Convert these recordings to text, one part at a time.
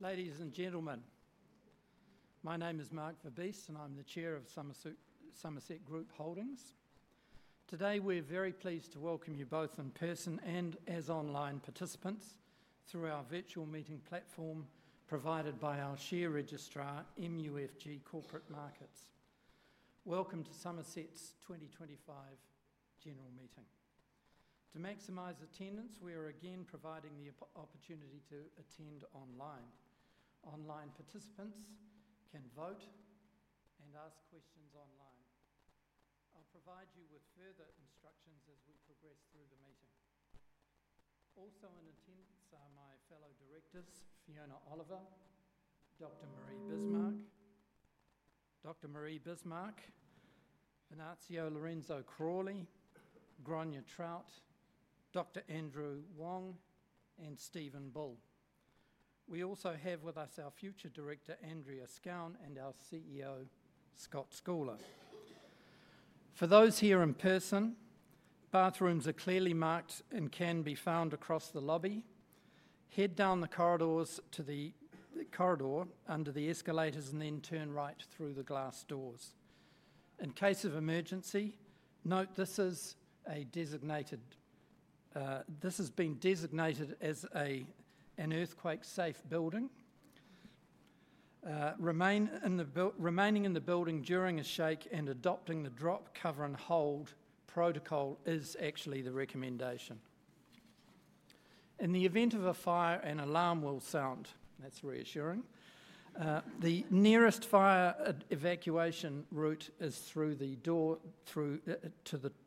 Ladies and gentlemen, my name is Mark Verbiest, and I'm the Chair of Summerset Group Holdings. Today, we're very pleased to welcome you both in person and as online participants through our virtual meeting platform provided by our share registrar, MUFG Corporate Markets. Welcome to Summerset's 2025 general meeting. To maximize attendance, we are again providing the opportunity to attend online. Online participants can vote and ask questions online. I'll provide you with further instructions as we progress through the meeting. Also in attendance are my fellow directors, Fiona Oliver, Dr. Marie Bismark, Dr. Marie Bismark, Venasio Lorenzo Crawley, Gráinne Troute, Dr. Andrew Wong, and Stephen Bull. We also have with us our future director, Andrea Scown, and our CEO, Scott Scoullar. For those here in person, bathrooms are clearly marked and can be found across the lobby. Head down the corridors to the corridor under the escalators and then turn right through the glass doors. In case of emergency, note this has been designated as an earthquake-safe building. Remaining in the building during a shake and adopting the drop, cover, and hold protocol is actually the recommendation. In the event of a fire, an alarm will sound. That's reassuring. The nearest fire evacuation route is through the door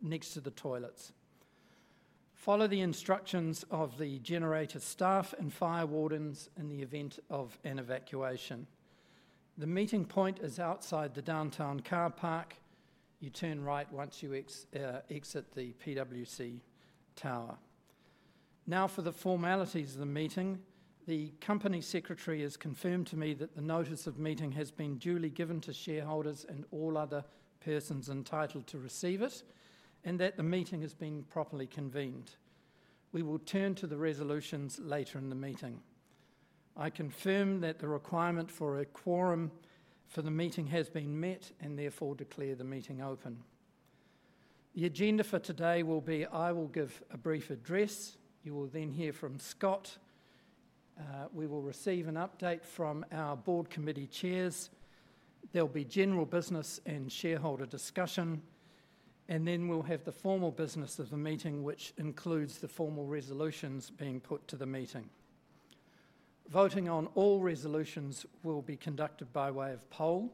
next to the toilets. Follow the instructions of the generator staff and fire wardens in the event of an evacuation. The meeting point is outside the downtown car park. You turn right once you exit the PWC Tower. Now, for the formalities of the meeting, the company secretary has confirmed to me that the notice of meeting has been duly given to shareholders and all other persons entitled to receive it, and that the meeting has been properly convened. We will turn to the resolutions later in the meeting. I confirm that the requirement for a quorum for the meeting has been met and therefore declare the meeting open. The agenda for today will be I will give a brief address. You will then hear from Scott. We will receive an update from our board committee chairs. There'll be general business and shareholder discussion. Then we'll have the formal business of the meeting, which includes the formal resolutions being put to the meeting. Voting on all resolutions will be conducted by way of poll.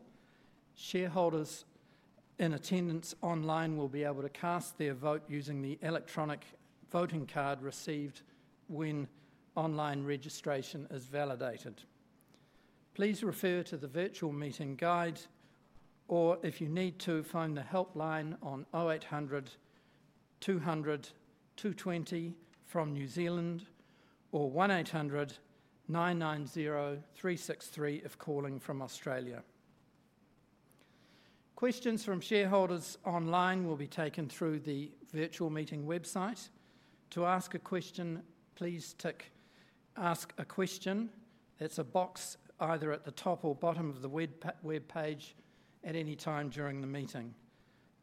Shareholders in attendance online will be able to cast their vote using the electronic voting card received when online registration is validated. Please refer to the virtual meeting guide, or if you need to, phone the helpline on 0800-200-220 from New Zealand or 1800-990-363 if calling from Australia. Questions from shareholders online will be taken through the virtual meeting website. To ask a question, please tick Ask a Question. That is a box either at the top or bottom of the web page at any time during the meeting.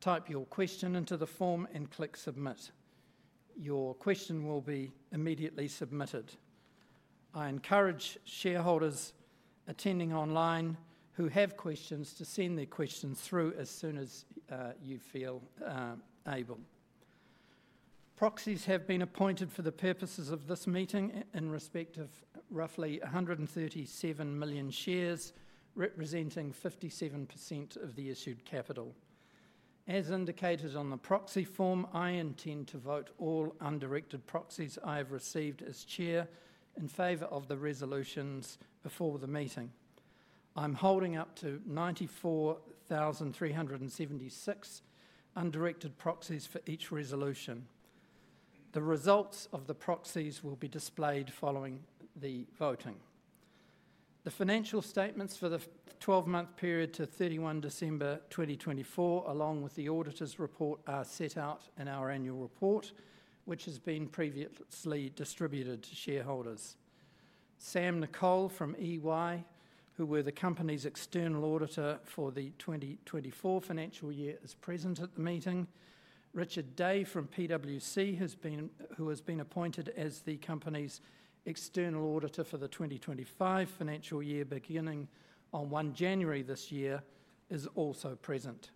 Type your question into the form and click Submit. Your question will be immediately submitted. I encourage shareholders attending online who have questions to send their questions through as soon as you feel able. Proxies have been appointed for the purposes of this meeting in respect of roughly 137 million shares, representing 57% of the issued capital. As indicated on the proxy form, I intend to vote all undirected proxies I have received as chair in favor of the resolutions before the meeting. I am holding up to 94,376 undirected proxies for each resolution. The results of the proxies will be displayed following the voting. The financial statements for the 12-month period to 31st December 2024, along with the auditor's report, are set out in our annual report, which has been previously distributed to shareholders. Sam Nicole from EY, who were the company's external auditor for the 2024 financial year, is present at the meeting. Richard Day from PWC, who has been appointed as the company's external auditor for the 2025 financial year beginning on 1st January this year, is also present.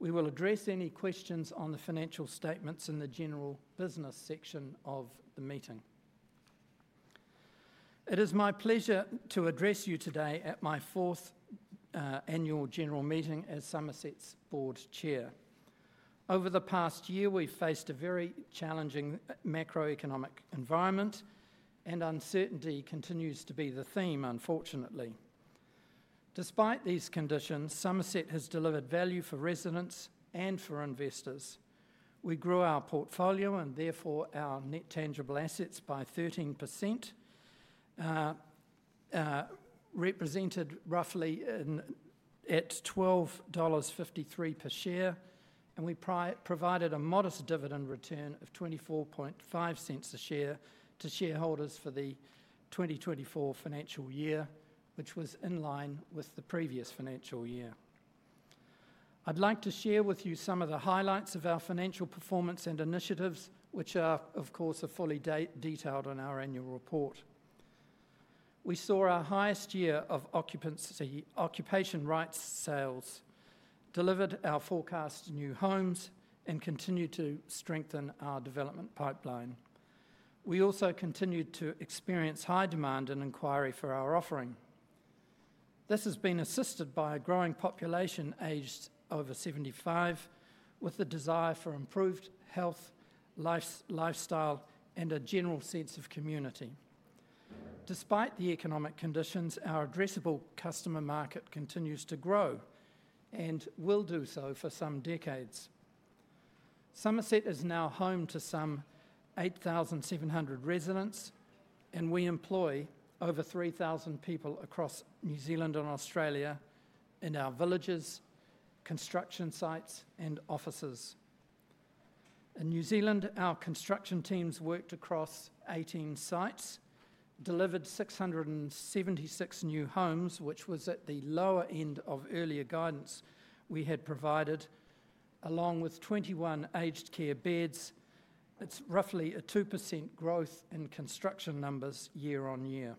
We will address any questions on the financial statements in the general business section of the meeting. It is my pleasure to address you today at my fourth annual general meeting as Summerset's board chair. Over the past year, we've faced a very challenging macroeconomic environment, and uncertainty continues to be the theme, unfortunately. Despite these conditions, Summerset has delivered value for residents and for investors. We grew our portfolio and therefore our net tangible assets by 13%, represented roughly at $12.53 per share, and we provided a modest dividend return of $0.245 a share to shareholders for the 2024 financial year, which was in line with the previous financial year. I'd like to share with you some of the highlights of our financial performance and initiatives, which are, of course, fully detailed in our annual report. We saw our highest year of occupation rights sales, delivered our forecast new homes, and continued to strengthen our development pipeline. We also continued to experience high demand and inquiry for our offering. This has been assisted by a growing population aged over 75 with the desire for improved health, lifestyle, and a general sense of community. Despite the economic conditions, our addressable customer market continues to grow and will do so for some decades. Summerset is now home to some 8,700 residents, and we employ over 3,000 people across New Zealand and Australia in our villages, construction sites, and offices. In New Zealand, our construction teams worked across 18 sites, delivered 676 new homes, which was at the lower end of earlier guidance we had provided, along with 21 aged care beds. It is roughly a 2% growth in construction numbers year-on-year.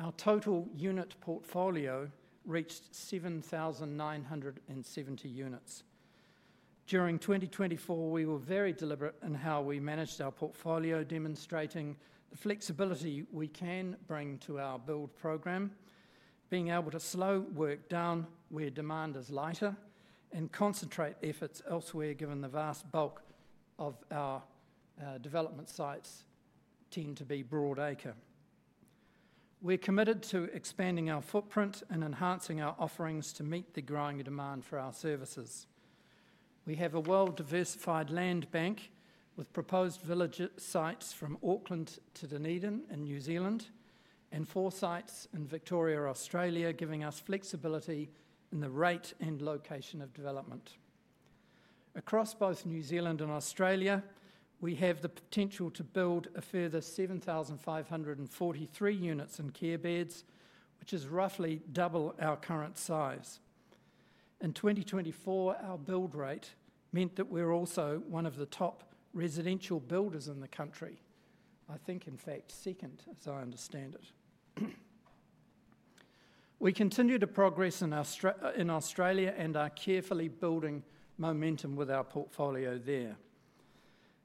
Our total unit portfolio reached 7,970 units. During 2024, we were very deliberate in how we managed our portfolio, demonstrating the flexibility we can bring to our build program, being able to slow work down where demand is lighter and concentrate efforts elsewhere, given the vast bulk of our development sites tend to be broad acre. We are committed to expanding our footprint and enhancing our offerings to meet the growing demand for our services. We have a well-diversified land bank with proposed village sites from Auckland to Dunedin in New Zealand and four sites in Victoria, Australia, giving us flexibility in the rate and location of development. Across both New Zealand and Australia, we have the potential to build a further 7,543 units and care beds, which is roughly double our current size. In 2024, our build rate meant that we're also one of the top residential builders in the country. I think, in fact, second, as I understand it. We continue to progress in Australia and are carefully building momentum with our portfolio there.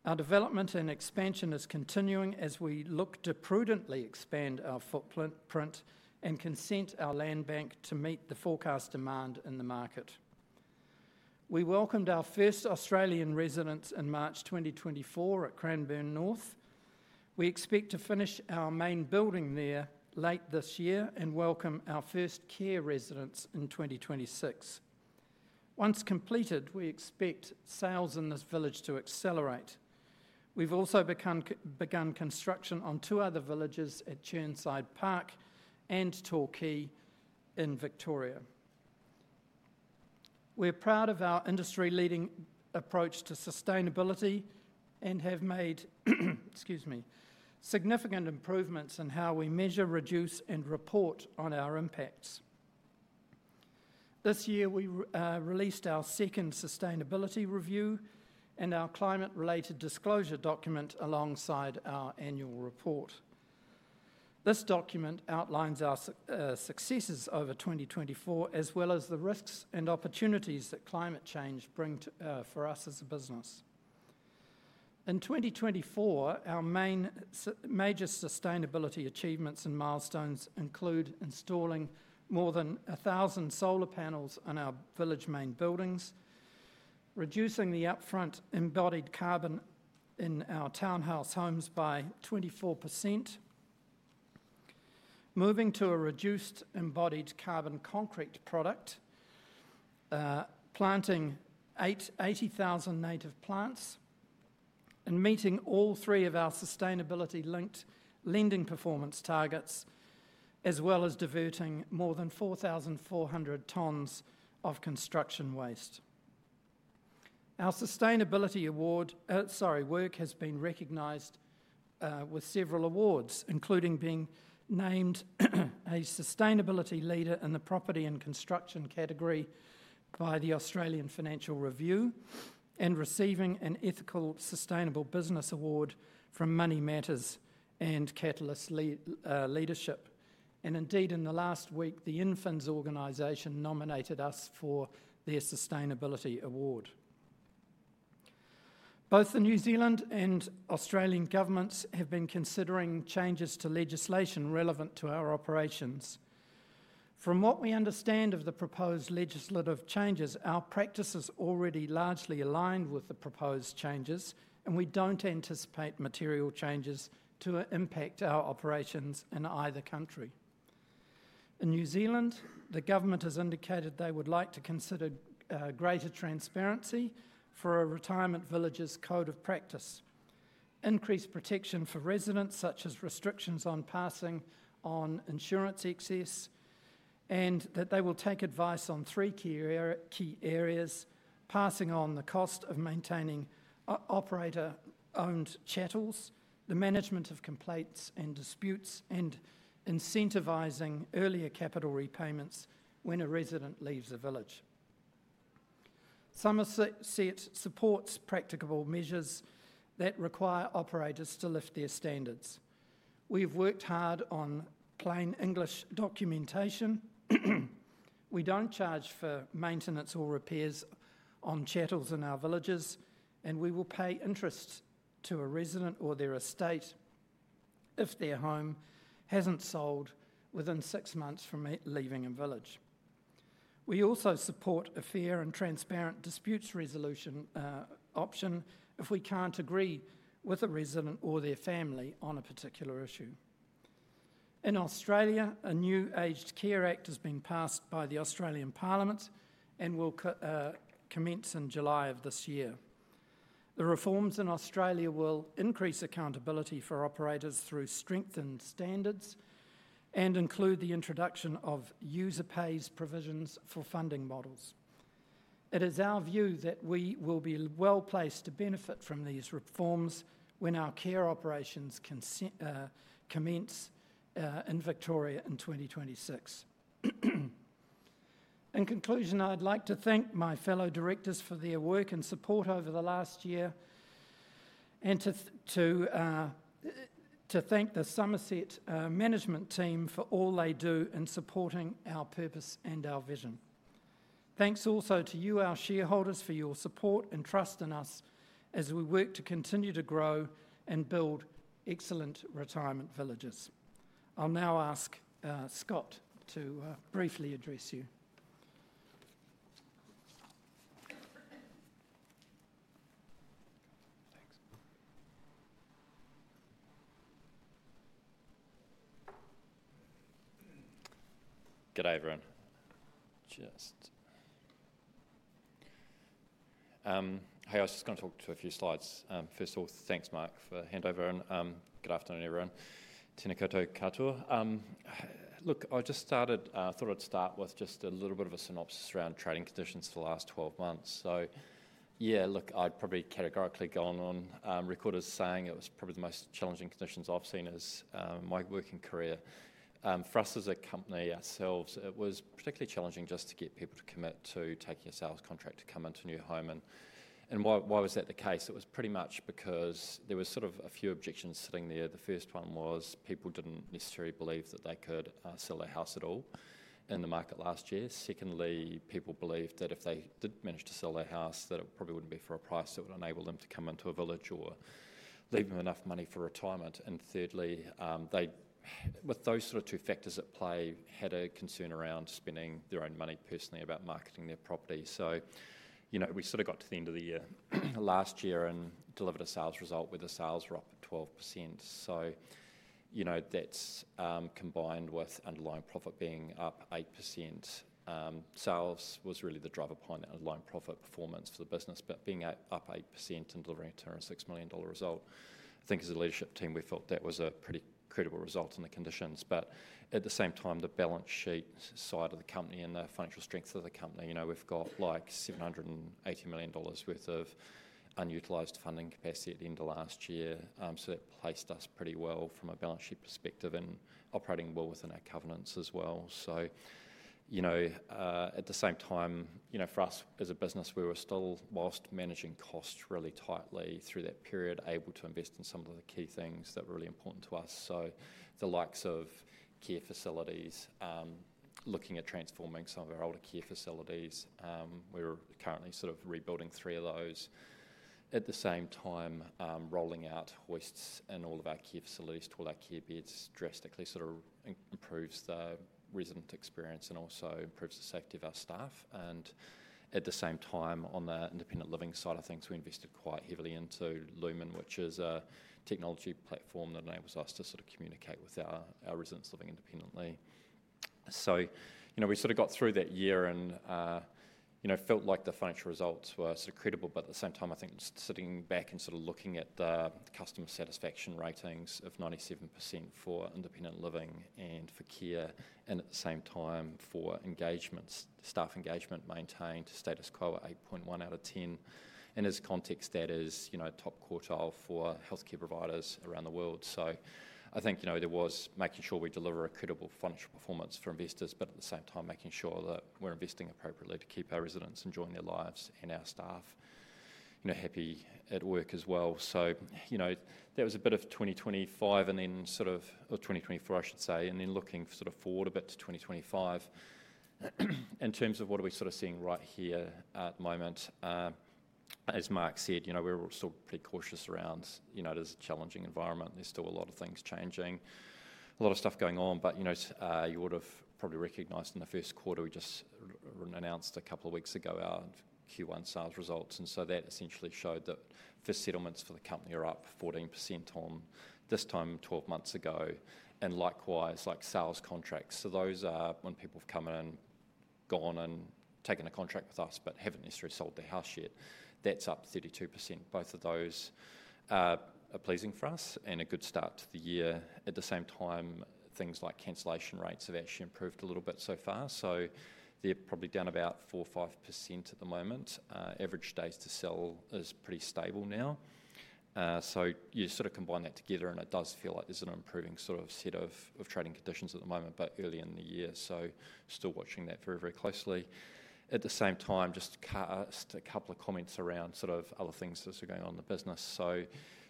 Our development and expansion is continuing as we look to prudently expand our footprint and consent our land bank to meet the forecast demand in the market. We welcomed our first Australian residents in March 2024 at Cranbourne North. We expect to finish our main building there late this year and welcome our first care residents in 2026. Once completed, we expect sales in this village to accelerate. We have also begun construction on two other villages at Truganina and Torquay in Victoria. We are proud of our industry-leading approach to sustainability and have made significant improvements in how we measure, reduce, and report on our impacts. This year, we released our second sustainability review and our climate-related disclosure document alongside our annual report. This document outlines our successes over 2024, as well as the risks and opportunities that climate change brings for us as a business. In 2024, our major sustainability achievements and milestones include installing more than 1,000 solar panels on our village main buildings, reducing the upfront embodied carbon in our townhouse homes by 24%, moving to a reduced embodied carbon concrete product, planting 80,000 native plants, and meeting all three of our sustainability-linked lending performance targets, as well as diverting more than 4,400 tons of construction waste. Our sustainability work has been recognized with several awards, including being named a sustainability leader in the property and construction category by the Australian Financial Review and receiving an Ethical Sustainable Business Award from Money Matters and Catalyst Leadership. Indeed, in the last week, the Infins organization nominated us for their Sustainability Award. Both the New Zealand and Australian governments have been considering changes to legislation relevant to our operations. From what we understand of the proposed legislative changes, our practice is already largely aligned with the proposed changes, and we do not anticipate material changes to impact our operations in either country. In New Zealand, the government has indicated they would like to consider greater transparency for a retirement villages code of practice, increased protection for residents, such as restrictions on passing on insurance excess, and that they will take advice on three key areas: passing on the cost of maintaining operator-owned chattels, the management of complaints and disputes, and incentivizing earlier capital repayments when a resident leaves a village. Summerset supports practicable measures that require operators to lift their standards. We have worked hard on plain English documentation. We don't charge for maintenance or repairs on chattels in our villages, and we will pay interest to a resident or their estate if their home hasn't sold within six months from leaving a village. We also support a fair and transparent disputes resolution option if we can't agree with a resident or their family on a particular issue. In Australia, a new Aged Care Act has been passed by the Australian Parliament and will commence in July of this year. The reforms in Australia will increase accountability for operators through strengthened standards and include the introduction of user pays provisions for funding models. It is our view that we will be well placed to benefit from these reforms when our care operations commence in Victoria in 2026. In conclusion, I'd like to thank my fellow directors for their work and support over the last year and to thank the Summerset management team for all they do in supporting our purpose and our vision. Thanks also to you, our shareholders, for your support and trust in us as we work to continue to grow and build excellent retirement villages. I'll now ask Scott to briefly address you. Good day, everyone. Just hey, I was just going to talk to a few slides. First of all, thanks, Mark, for the handover. Good afternoon, everyone. Tēnā koutou katoa. Look, I just started I thought I'd start with just a little bit of a synopsis around trading conditions for the last 12 months. Yeah, look, I'd probably categorically gone on record as saying it was probably the most challenging conditions I've seen in my working career. For us as a company ourselves, it was particularly challenging just to get people to commit to taking a sales contract to come into a new home. Why was that the case? It was pretty much because there were sort of a few objections sitting there. The first one was people did not necessarily believe that they could sell their house at all in the market last year. Secondly, people believed that if they did manage to sell their house, that it probably would not be for a price that would enable them to come into a village or leave them enough money for retirement. Thirdly, with those two factors at play, there was a concern around spending their own money personally about marketing their property. We sort of got to the end of the year last year and delivered a sales result where the sales were up at 12%. That is combined with underlying profit being up 8%. Sales was really the driver point and underlying profit performance for the business, being up 8% and delivering a 206 million dollar result. I think as a leadership team, we felt that was a pretty credible result in the conditions. At the same time, the balance sheet side of the company and the financial strength of the company, we have 780 million dollars worth of unutilized funding capacity at the end of last year. That placed us pretty well from a balance sheet perspective and operating well within our covenants as well. At the same time, for us as a business, we were still, whilst managing costs really tightly through that period, able to invest in some of the key things that were really important to us. The likes of care facilities, looking at transforming some of our older care facilities. We're currently sort of rebuilding three of those. At the same time, rolling out hoists in all of our care facilities to all our care beds drastically sort of improves the resident experience and also improves the safety of our staff. At the same time, on the independent living side of things, we invested quite heavily into Lumen, which is a technology platform that enables us to sort of communicate with our residents living independently. We sort of got through that year and felt like the financial results were sort of credible. At the same time, I think sitting back and sort of looking at the customer satisfaction ratings of 97% for independent living and for care, and at the same time for engagements, staff engagement maintained status quo at 8.1 out of 10. As context, that is top quartile for healthcare providers around the world. I think there was making sure we deliver a credible financial performance for investors, but at the same time, making sure that we're investing appropriately to keep our residents enjoying their lives and our staff happy at work as well. That was a bit of 2024, I should say, and then looking sort of forward a bit to 2025. In terms of what are we sort of seeing right here at the moment, as Mark said, we're still pretty cautious around it as a challenging environment. There's still a lot of things changing, a lot of stuff going on. You would have probably recognized in the first quarter, we just announced a couple of weeks ago our Q1 sales results. That essentially showed that first settlements for the company are up 14% on this time 12 months ago. Likewise, like sales contracts. Those are when people have come in and gone and taken a contract with us but have not necessarily sold their house yet. That is up 32%. Both of those are pleasing for us and a good start to the year. At the same time, things like cancellation rates have actually improved a little bit so far. They are probably down about 4%-5% at the moment. Average days to sell is pretty stable now. You sort of combine that together and it does feel like there's an improving sort of set of trading conditions at the moment, but early in the year. Still watching that very, very closely. At the same time, just a couple of comments around sort of other things that are going on in the business.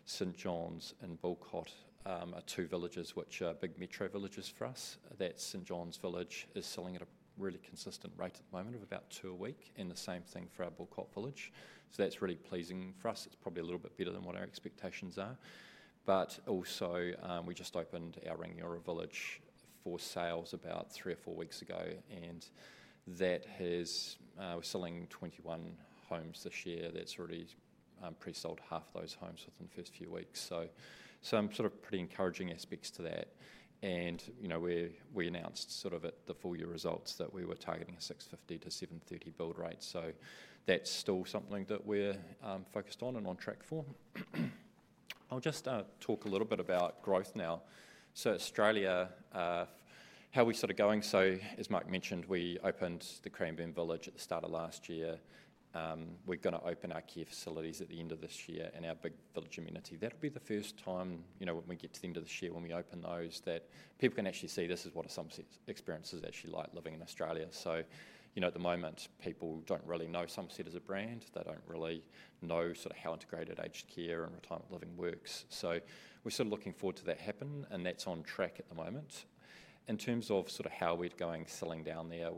St. John's and Bulkhot are two villages which are big metro villages for us. That St. John's village is selling at a really consistent rate at the moment of about two a week and the same thing for our Bulkhot village. That's really pleasing for us. It's probably a little bit better than what our expectations are. Also, we just opened our Ringura village for sales about three or four weeks ago and that has, we're selling 21 homes this year. That's already pre-sold half of those homes within the first few weeks. Some sort of pretty encouraging aspects to that. We announced at the full year results that we were targeting a 650-730 build rate. That's still something that we're focused on and on track for. I'll just talk a little bit about growth now. Australia, how are we going? As Mark mentioned, we opened the Cranbourne village at the start of last year. We're going to open our care facilities at the end of this year and our big village amenity. That'll be the first time when we get to the end of this year when we open those that people can actually see this is what some experiences actually like living in Australia. At the moment, people don't really know Summerset as a brand. They do not really know sort of how integrated aged care and retirement living works. We are sort of looking forward to that happening and that is on track at the moment. In terms of sort of how we are going selling down there,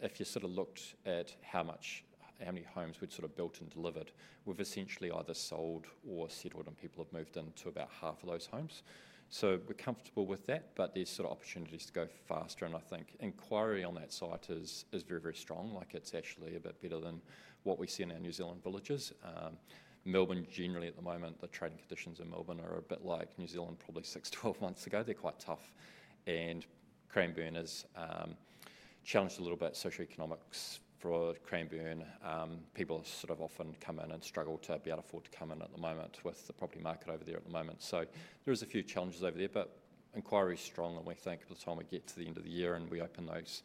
if you sort of looked at how many homes we had sort of built and delivered, we have essentially either sold or settled and people have moved into about half of those homes. We are comfortable with that, but there are sort of opportunities to go faster. I think inquiry on that site is very, very strong. Like it is actually a bit better than what we see in our New Zealand villages. Melbourne generally at the moment, the trading conditions in Melbourne are a bit like New Zealand probably 6-12 months ago. They are quite tough. Cranbourne is challenged a little bit socio-economics for Cranbourne. People sort of often come in and struggle to be able to afford to come in at the moment with the property market over there at the moment. There are a few challenges over there, but inquiry is strong and we think by the time we get to the end of the year and we open those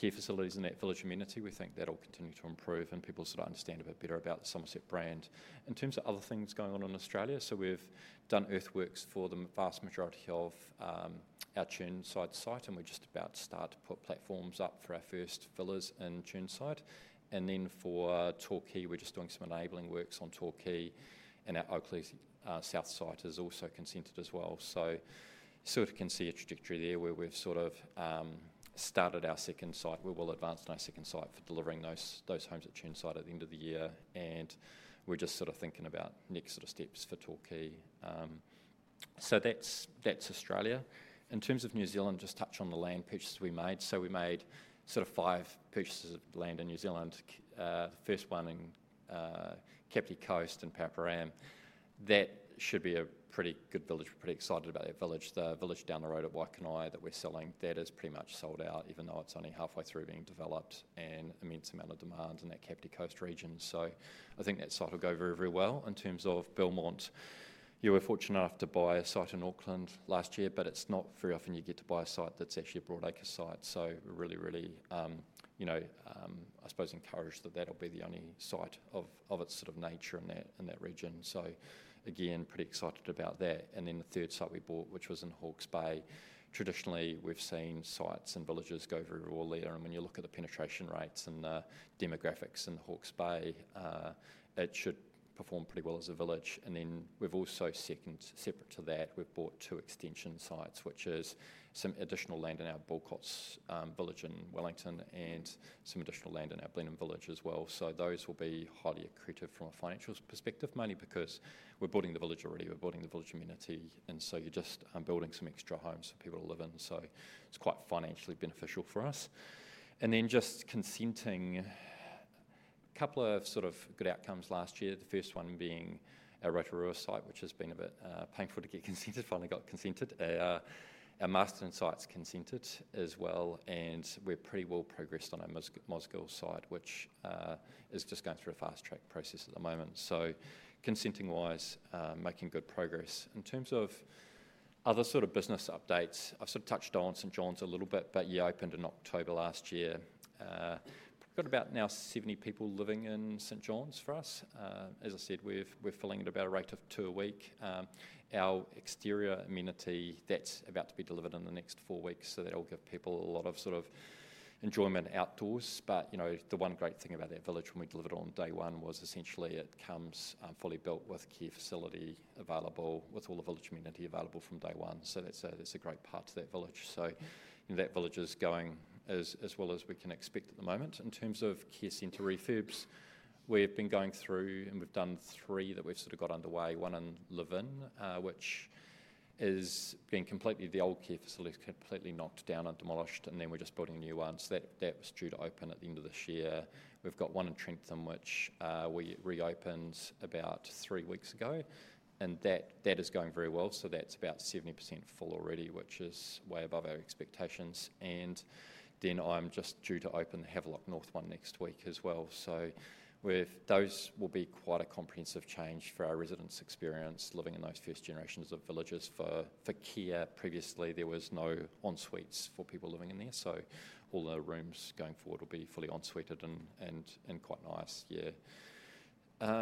care facilities in that village amenity, we think that'll continue to improve and people sort of understand a bit better about the Summerset brand. In terms of other things going on in Australia, we've done earthworks for the vast majority of our Truganina site and we're just about to start to put platforms up for our first villas in Truganina. For Torquay, we're just doing some enabling works on Torquay and our Oakleys South site is also consented as well. You can see a trajectory there where we've started our second site. We will advance on our second site for delivering those homes at Truganina at the end of the year. We're just thinking about next steps for Torquay. That's Australia. In terms of New Zealand, just touch on the land purchases we made. We made five purchases of land in New Zealand. The first one in Kapiti Coast in Paparangi. That should be a pretty good village. We're pretty excited about that village. The village down the road at Waikanae that we're selling, that is pretty much sold out even though it's only halfway through being developed and immense amount of demand in that Kapiti Coast region. I think that site will go very, very well. In terms of Belmont, you were fortunate enough to buy a site in Auckland last year, but it's not very often you get to buy a site that's actually a broadacre site. Really, really, I suppose encouraged that that'll be the only site of its sort of nature in that region. Pretty excited about that. The third site we bought, which was in Hawkes Bay. Traditionally, we've seen sites and villages go very well there. When you look at the penetration rates and the demographics in Hawkes Bay, it should perform pretty well as a village. We've also, separate to that, bought two extension sites, which is some additional land in our Bulkhot village in Wellington and some additional land in our Blenheim village as well. Those will be highly accretive from a financial perspective, mainly because we're building the village already. We're building the village amenity, and you're just building some extra homes for people to live in. It's quite financially beneficial for us. Just consenting, a couple of sort of good outcomes last year. The first one being our Rotorua site, which has been a bit painful to get consented, finally got consented. Our Masterton site's consented as well. We're pretty well progressed on our Mosgiel site, which is just going through a fast track process at the moment. Consenting-wise, making good progress. In terms of other sort of business updates, I've sort of touched on St. John's a little bit, but yeah, opened in October last year. We've got about now 70 people living in St. John's for us. As I said, we're filling at about a rate of two a week. Our exterior amenity, that's about to be delivered in the next four weeks. That'll give people a lot of sort of enjoyment outdoors. The one great thing about that village when we delivered on day one was essentially it comes fully built with care facility available with all the village amenity available from day one. That's a great part of that village. That village is going as well as we can expect at the moment. In terms of care center refurbs, we've been going through and we've done three that we've sort of got underway. One in Levin, which is being completely, the old care facility is completely knocked down and demolished. We're just building a new one. That was due to open at the end of this year. We've got one in Trentham, which we reopened about three weeks ago. That is going very well. That is about 70% full already, which is way above our expectations. I'm just due to open Havelock North one next week as well. Those will be quite a comprehensive change for our residents' experience living in those first generations of villages for care. Previously, there were no ensuites for people living in there. All the rooms going forward will be fully ensuited and quite nice. Yeah.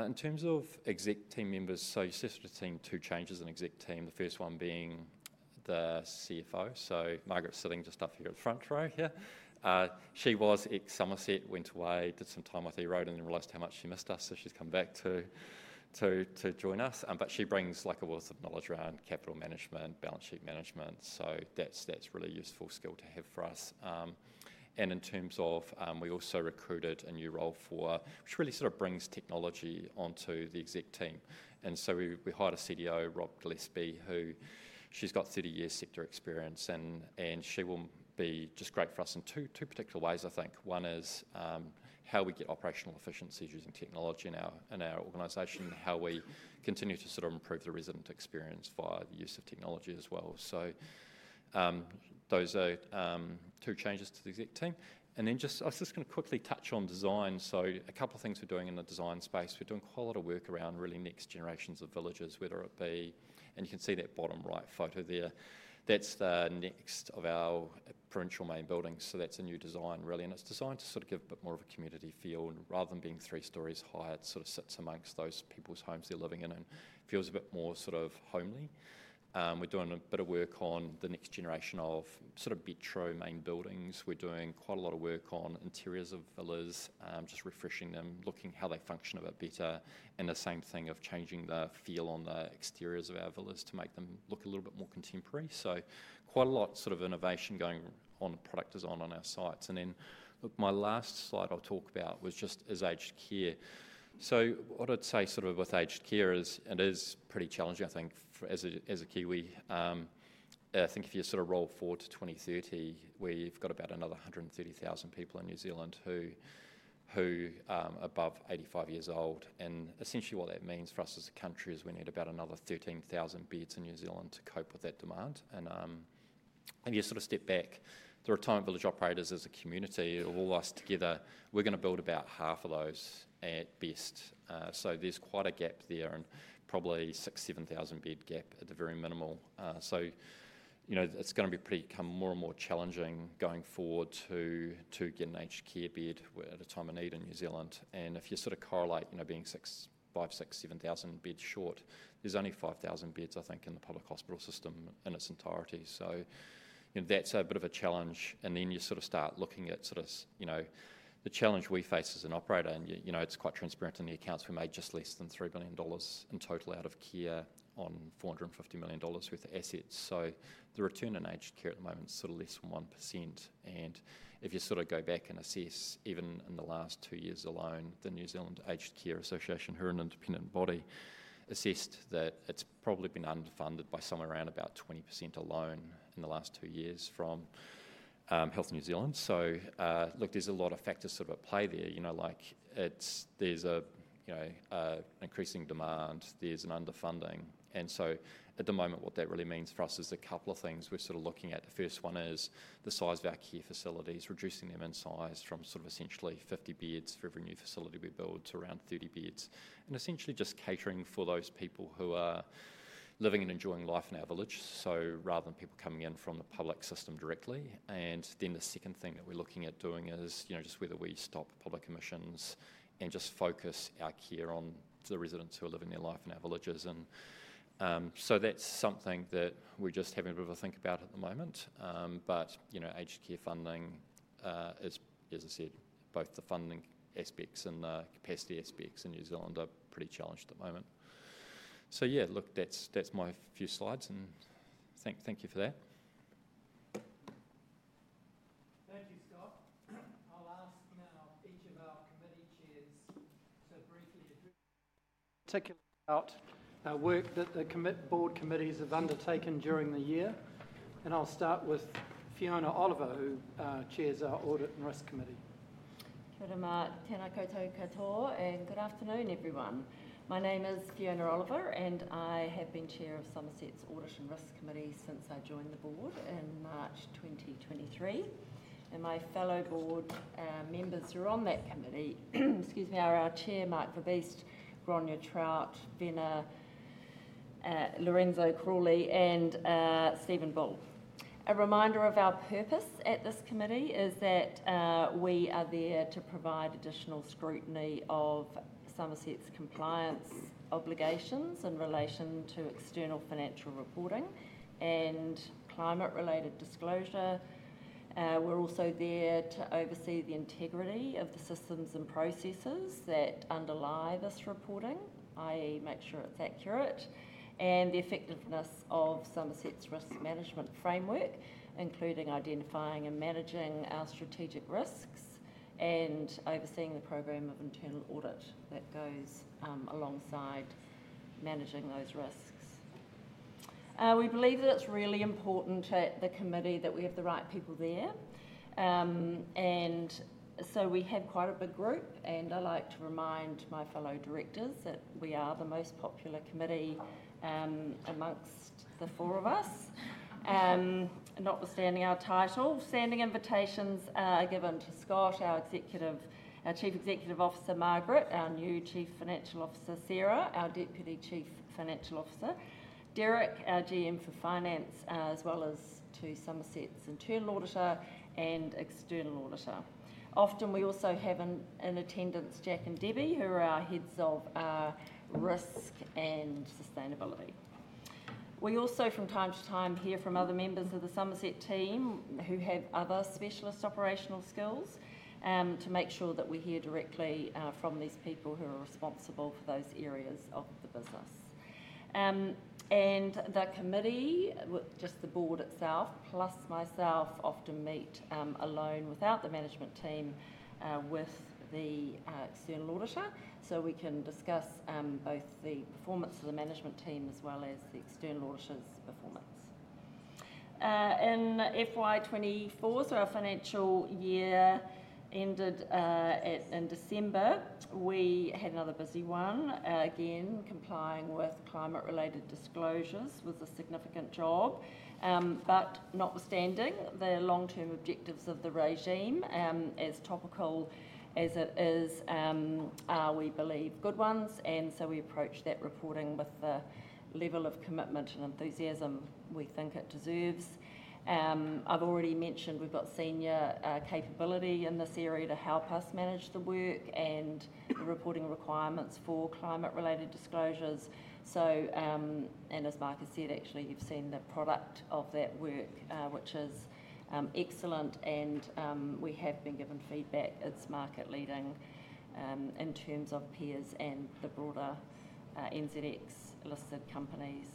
In terms of exec team members, you have sort of seen two changes in exec team. The first one being the CFO. Margaret's sitting just up here at the front row here. She was ex-Summerset, went away, did some time with Erode and then realized how much she missed us. She's come back to join us. She brings like a wealth of knowledge around capital management, balance sheet management. That is really a useful skill to have for us. In terms of we also recruited a new role for which really sort of brings technology onto the exec team. We hired a CDO, Rob Gillespie, who has got 30 years sector experience and she will be just great for us in two particular ways, I think. One is how we get operational efficiencies using technology in our organization, how we continue to sort of improve the resident experience via the use of technology as well. Those are two changes to the exec team. I was just going to quickly touch on design. A couple of things we are doing in the design space. We're doing quite a lot of work around really next generations of villages, whether it be and you can see that bottom right photo there. That's the next of our provincial main building. So that's a new design really. It's designed to sort of give a bit more of a community feel. Rather than being three stories high, it sort of sits amongst those people's homes they're living in and feels a bit more sort of homely. We're doing a bit of work on the next generation of sort of vitro main buildings. We're doing quite a lot of work on interiors of villas, just refreshing them, looking how they function a bit better. The same thing of changing the feel on the exteriors of our villas to make them look a little bit more contemporary. Quite a lot of sort of innovation going on in product design on our sites. My last slide I'll talk about was just aged care. What I'd say with aged care is it is pretty challenging, I think, as a Kiwi. I think if you sort of roll forward to 2030, we've got about another 130,000 people in New Zealand who are above 85 years old. Essentially what that means for us as a country is we need about another 13,000 beds in New Zealand to cope with that demand. If you sort of step back, the retirement village operators as a community, all of us together, we're going to build about half of those at best. There's quite a gap there and probably 6,000-7,000 bed gap at the very minimal. It is going to become more and more challenging going forward to get an aged care bed at a time of need in New Zealand. If you sort of correlate being 5,000-7,000 beds short, there are only 5,000 beds, I think, in the public hospital system in its entirety. That is a bit of a challenge. You sort of start looking at the challenge we face as an operator. It is quite transparent in the accounts. We made just less than 3 billion dollars in total out of care on 450 million dollars worth of assets. The return on aged care at the moment is less than 1%. If you sort of go back and assess, even in the last two years alone, the New Zealand Aged Care Association, who are an independent body, assessed that it's probably been underfunded by somewhere around about 20% alone in the last two years from Health New Zealand. Look, there's a lot of factors sort of at play there. There's an increasing demand, there's an underfunding. At the moment, what that really means for us is a couple of things. We're sort of looking at the first one, which is the size of our care facilities, reducing them in size from essentially 50 beds for every new facility we build to around 30 beds, and essentially just catering for those people who are living and enjoying life in our village, rather than people coming in from the public system directly. The second thing that we're looking at doing is just whether we stop public admissions and just focus our care on the residents who are living their life in our villages. That is something that we're just having a bit of a think about at the moment. Aged care funding is, as I said, both the funding aspects and the capacity aspects in New Zealand are pretty challenged at the moment. Yeah, look, that's my few slides. Thank you for that. Thank you, Scott. I'll ask now each of our committee chairs to briefly talk about our work that the board committees have undertaken during the year. I'll start with Fiona Oliver, who chairs our Audit and Risk Committee. Fiona, tēnā koutou katoa, and good afternoon, everyone.My name is Fiona Oliver, and I have been chair of Summerset's Audit and Risk Committee since I joined the board in March 2023. My fellow board members who are on that committee, excuse me, are our chair, Mark Verbiest, Gráinne Troute, Venasio-Lorenzo Crawley, and Stephen Bull. A reminder of our purpose at this committee is that we are there to provide additional scrutiny of Summerset's compliance obligations in relation to external financial reporting and climate-related disclosure. We are also there to oversee the integrity of the systems and processes that underlie this reporting, i.e., make sure it's accurate, and the effectiveness of Summerset's risk management framework, including identifying and managing our strategic risks and overseeing the program of internal audit that goes alongside managing those risks. We believe that it's really important at the committee that we have the right people there. We have quite a big group. I like to remind my fellow directors that we are the most popular committee amongst the four of us, notwithstanding our title. Standing invitations are given to Scott, our Chief Executive Officer, Margaret, our new Chief Financial Officer, Sarah, our Deputy Chief Financial Officer, Derek, our GM for Finance, as well as to Summerset's internal auditor and external auditor. Often we also have in attendance Jack and Debbie, who are our heads of risk and sustainability. We also from time to time hear from other members of the Summerset team who have other specialist operational skills to make sure that we hear directly from these people who are responsible for those areas of the business. The committee, just the board itself, plus myself, often meet alone without the management team with the external auditor. We can discuss both the performance of the management team as well as the external auditor's performance. In FY2024, our financial year ended in December, we had another busy one. Again, complying with climate-related disclosures was a significant job. Notwithstanding the long-term objectives of the regime, as topical as it is, we believe good ones. We approach that reporting with the level of commitment and enthusiasm we think it deserves. I've already mentioned we've got senior capability in this area to help us manage the work and the reporting requirements for climate-related disclosures. As Margaret said, actually, you've seen the product of that work, which is excellent. We have been given feedback. It's market-leading in terms of peers and the broader NZX-listed companies.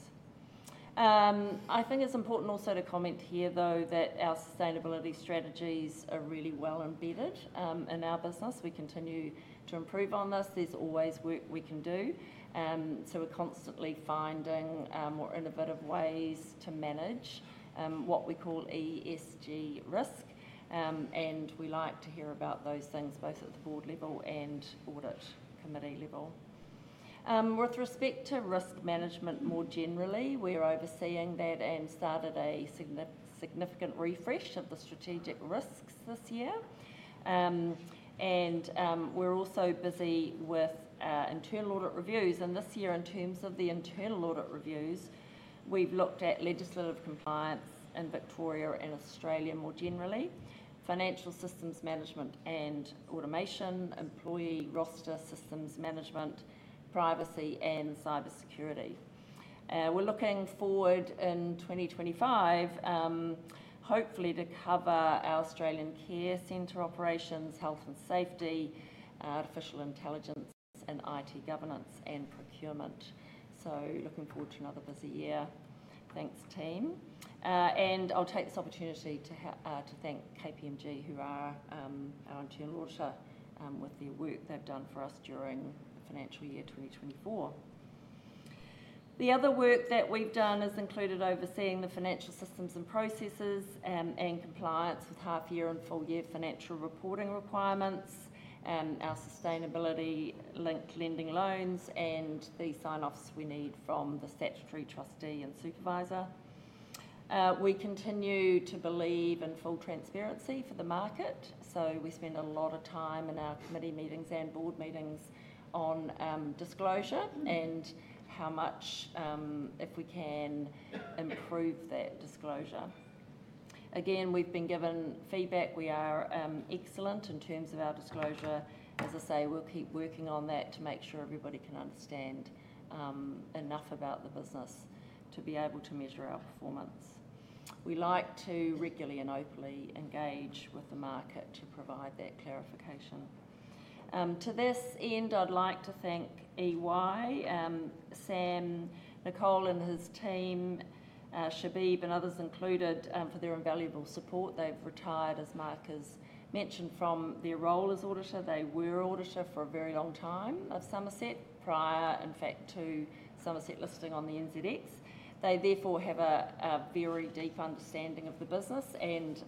I think it's important also to comment here, though, that our sustainability strategies are really well embedded in our business. We continue to improve on this. There's always work we can do. We're constantly finding more innovative ways to manage what we call ESG risk. We like to hear about those things both at the board level and audit committee level. With respect to risk management more generally, we're overseeing that and started a significant refresh of the strategic risks this year. We're also busy with internal audit reviews. This year, in terms of the internal audit reviews, we've looked at legislative compliance in Victoria and Australia more generally, financial systems management and automation, employee roster systems management, privacy, and cybersecurity. We're looking forward in 2025, hopefully, to cover our Australian care center operations, health and safety, artificial intelligence, and IT governance and procurement. Looking forward to another busy year. Thanks, team. I will take this opportunity to thank KPMG, who are our internal auditor, with the work they have done for us during the financial year 2024. The other work that we have done has included overseeing the financial systems and processes and compliance with half-year and full-year financial reporting requirements, our sustainability-linked lending loans, and the sign-offs we need from the statutory trustee and supervisor. We continue to believe in full transparency for the market. We spend a lot of time in our committee meetings and board meetings on disclosure and how much, if we can, improve that disclosure. Again, we have been given feedback. We are excellent in terms of our disclosure. As I say, we will keep working on that to make sure everybody can understand enough about the business to be able to measure our performance. We like to regularly and openly engage with the market to provide that clarification. To this end, I'd like to thank EY, Sam Nicole, and his team, Shabib and others included, for their invaluable support. They've retired, as Mark has mentioned, from their role as auditor. They were auditor for a very long time of Summerset, prior, in fact, to Summerset listing on the NZX. They therefore have a very deep understanding of the business and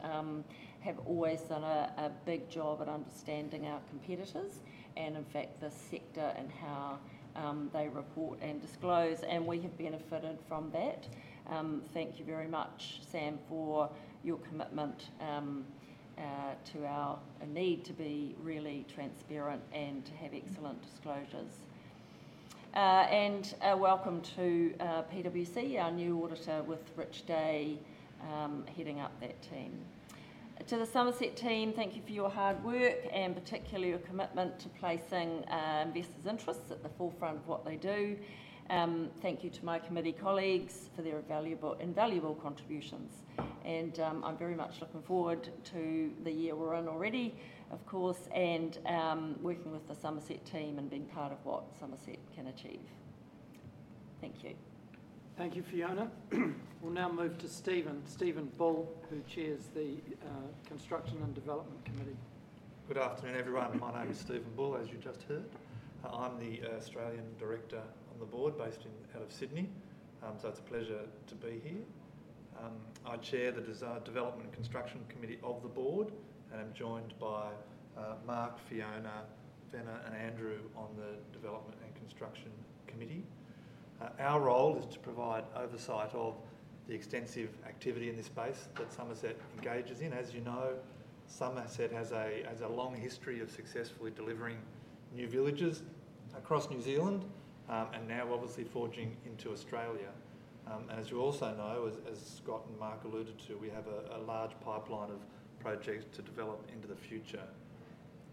have always done a big job at understanding our competitors and, in fact, the sector and how they report and disclose. We have benefited from that. Thank you very much, Sam, for your commitment to our need to be really transparent and to have excellent disclosures. Welcome to PWC, our new auditor, with Rich Day heading up that team. To the Summerset team, thank you for your hard work and particularly your commitment to placing investors' interests at the forefront of what they do. Thank you to my committee colleagues for their invaluable contributions. I am very much looking forward to the year we are in already, of course, and working with the Summerset team and being part of what Summerset can achieve. Thank you. Thank you, Fiona. We will now move to Stephen, Stephen Bull, who chairs the Construction and Development Committee. Good afternoon, everyone. My name is Stephen Bull, as you just heard. I am the Australian director on the board based out of Sydney. It is a pleasure to be here. I chair the Development and Construction Committee of the board, and I am joined by Mark, Fiona, Vena, and Andrew on the Development and Construction Committee. Our role is to provide oversight of the extensive activity in this space that Summerset engages in. As you know, Summerset has a long history of successfully delivering new villages across New Zealand and now obviously forging into Australia. As you also know, as Scott and Mark alluded to, we have a large pipeline of projects to develop into the future.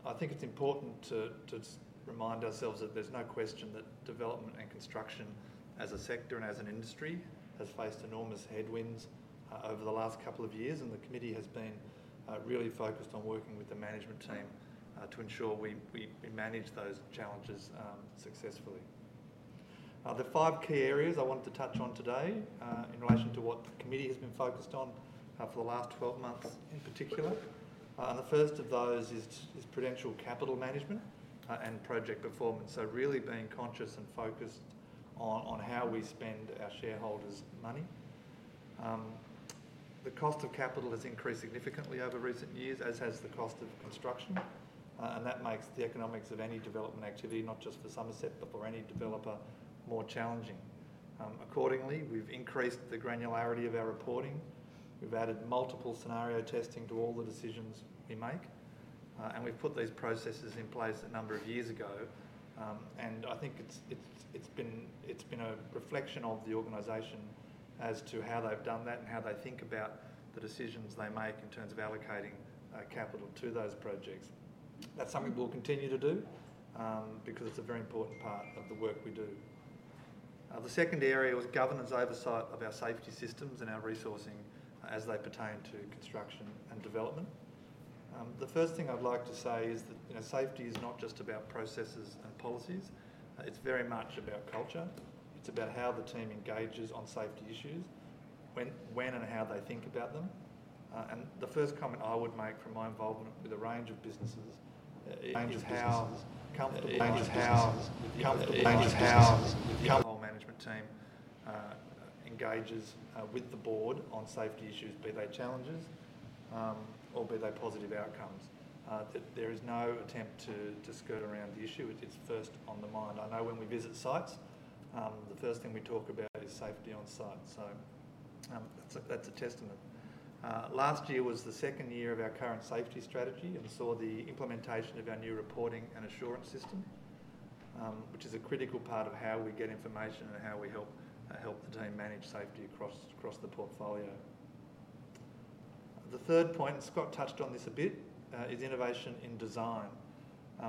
I think it's important to remind ourselves that there's no question that development and construction as a sector and as an industry has faced enormous headwinds over the last couple of years, and the committee has been really focused on working with the management team to ensure we manage those challenges successfully. The five key areas I wanted to touch on today in relation to what the committee has been focused on for the last 12 months in particular. The first of those is prudential capital management and project performance, so really being conscious and focused on how we spend our shareholders' money. The cost of capital has increased significantly over recent years, as has the cost of construction. That makes the economics of any development activity, not just for Summerset, but for any developer, more challenging. Accordingly, we've increased the granularity of our reporting. We've added multiple scenario testing to all the decisions we make. We've put these processes in place a number of years ago. I think it's been a reflection of the organization as to how they've done that and how they think about the decisions they make in terms of allocating capital to those projects. That's something we'll continue to do because it's a very important part of the work we do. The second area was governance oversight of our safety systems and our resourcing as they pertain to construction and development. The first thing I'd like to say is that safety is not just about processes and policies. It's very much about culture. It's about how the team engages on safety issues, when and how they think about them. The first comment I would make from my involvement with a range of businesses is how comfortable, changes how comfortable, changes how the management team engages with the board on safety issues, be they challenges or be they positive outcomes. There is no attempt to skirt around the issue. It's first on the mind. I know when we visit sites, the first thing we talk about is safety on site. That's a testament. Last year was the second year of our current safety strategy and saw the implementation of our new reporting and assurance system, which is a critical part of how we get information and how we help the team manage safety across the portfolio. The third point, and Scott touched on this a bit, is innovation in design.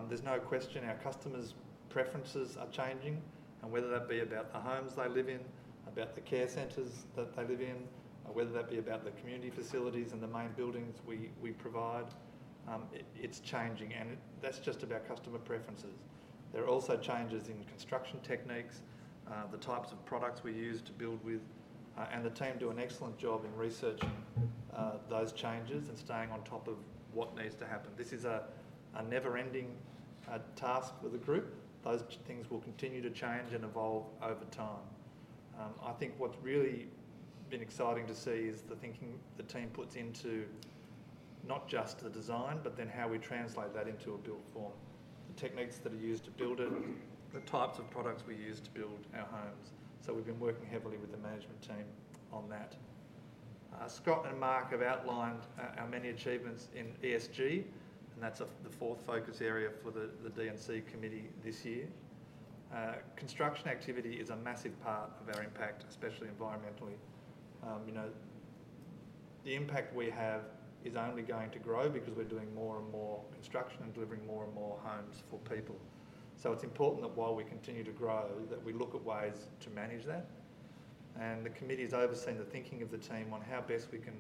There's no question our customers' preferences are changing, whether that be about the homes they live in, about the care centers that they live in, whether that be about the community facilities and the main buildings we provide. It's changing, and that's just about customer preferences. There are also changes in construction techniques, the types of products we use to build with, and the team do an excellent job in researching those changes and staying on top of what needs to happen. This is a never-ending task for the group. Those things will continue to change and evolve over time. I think what's really been exciting to see is the thinking the team puts into not just the design, but then how we translate that into a built form, the techniques that are used to build it, the types of products we use to build our homes. We have been working heavily with the management team on that. Scott and Mark have outlined our many achievements in ESG, and that is the fourth focus area for the D&C Committee this year. Construction activity is a massive part of our impact, especially environmentally. The impact we have is only going to grow because we are doing more and more construction and delivering more and more homes for people. It is important that while we continue to grow, we look at ways to manage that. The committee has overseen the thinking of the team on how best we can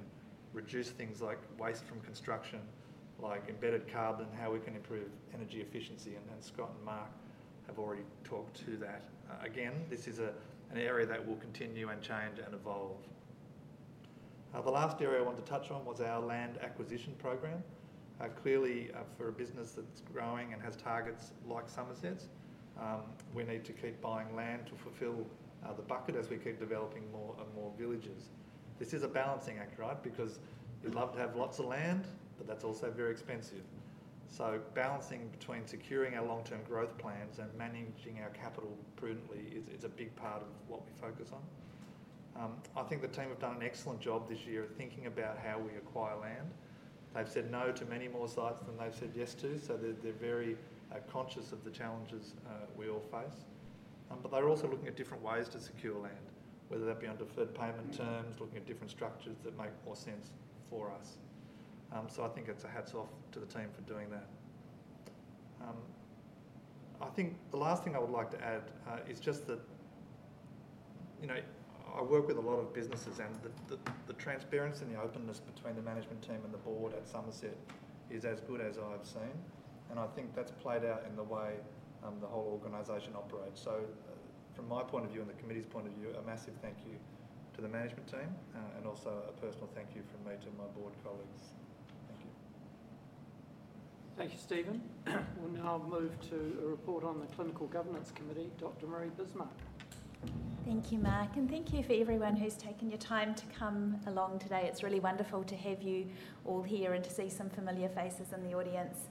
reduce things like waste from construction, like embedded carbon, how we can improve energy efficiency. Scott and Mark have already talked to that. Again, this is an area that will continue and change and evolve. The last area I wanted to touch on was our land acquisition program. Clearly, for a business that's growing and has targets like Summerset's, we need to keep buying land to fulfill the bucket as we keep developing more and more villages. This is a balancing act, right? Because we'd love to have lots of land, but that's also very expensive. Balancing between securing our long-term growth plans and managing our capital prudently is a big part of what we focus on. I think the team have done an excellent job this year of thinking about how we acquire land. They've said no to many more sites than they've said yes to. They are very conscious of the challenges we all face. They are also looking at different ways to secure land, whether that be on deferred payment terms, looking at different structures that make more sense for us. I think it's a hats off to the team for doing that. The last thing I would like to add is just that I work with a lot of businesses, and the transparency and the openness between the management team and the board at Summerset is as good as I've seen. I think that's played out in the way the whole organization operates. From my point of view and the committee's point of view, a massive thank you to the management team and also a personal thank you from me to my board colleagues. Thank you. Thank you, Stephen. We'll now move to a report on the Clinical Governance Committee. Dr. Marie Bismark. Thank you, Mark. And thank you for everyone who's taken your time to come along today. It's really wonderful to have you all here and to see some familiar faces in the audience.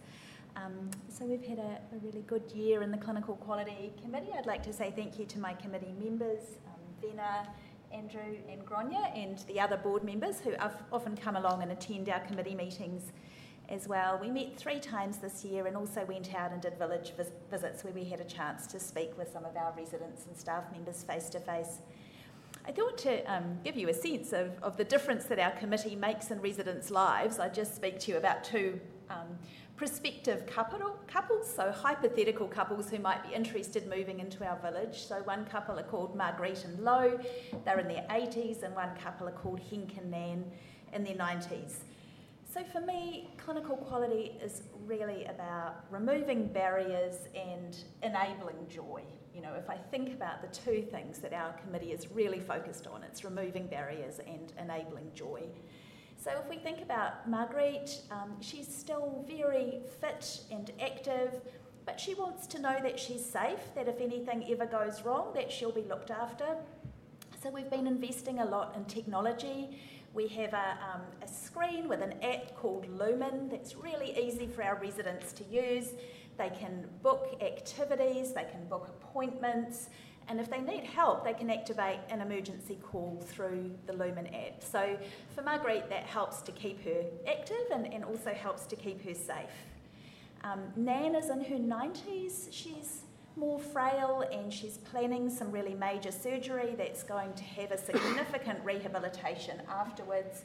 We've had a really good year in the Clinical Quality Committee. I'd like to say thank you to my committee members, Venasio, Andrew, and Gráinne, and the other board members who have often come along and attend our committee meetings as well. We met 3x this year and also went out and did village visits where we had a chance to speak with some of our residents and staff members face to face. I thought to give you a sense of the difference that our committee makes in residents' lives. I just speak to you about two prospective couples, so hypothetical couples who might be interested in moving into our village. One couple are called Margriet and Lowe. They're in their 80s, and one couple are called Hink and Nan in their 90s. For me, clinical quality is really about removing barriers and enabling joy. If I think about the two things that our committee is really focused on, it's removing barriers and enabling joy. If we think about Margriet, she's still very fit and active, but she wants to know that she's safe, that if anything ever goes wrong, that she'll be looked after. We've been investing a lot in technology. We have a screen with an app called Lumen that's really easy for our residents to use. They can book activities. They can book appointments. If they need help, they can activate an emergency call through the Lumen app. For Margriet, that helps to keep her active and also helps to keep her safe. Nan is in her 90s. She's more frail, and she's planning some really major surgery that's going to have a significant rehabilitation afterwards.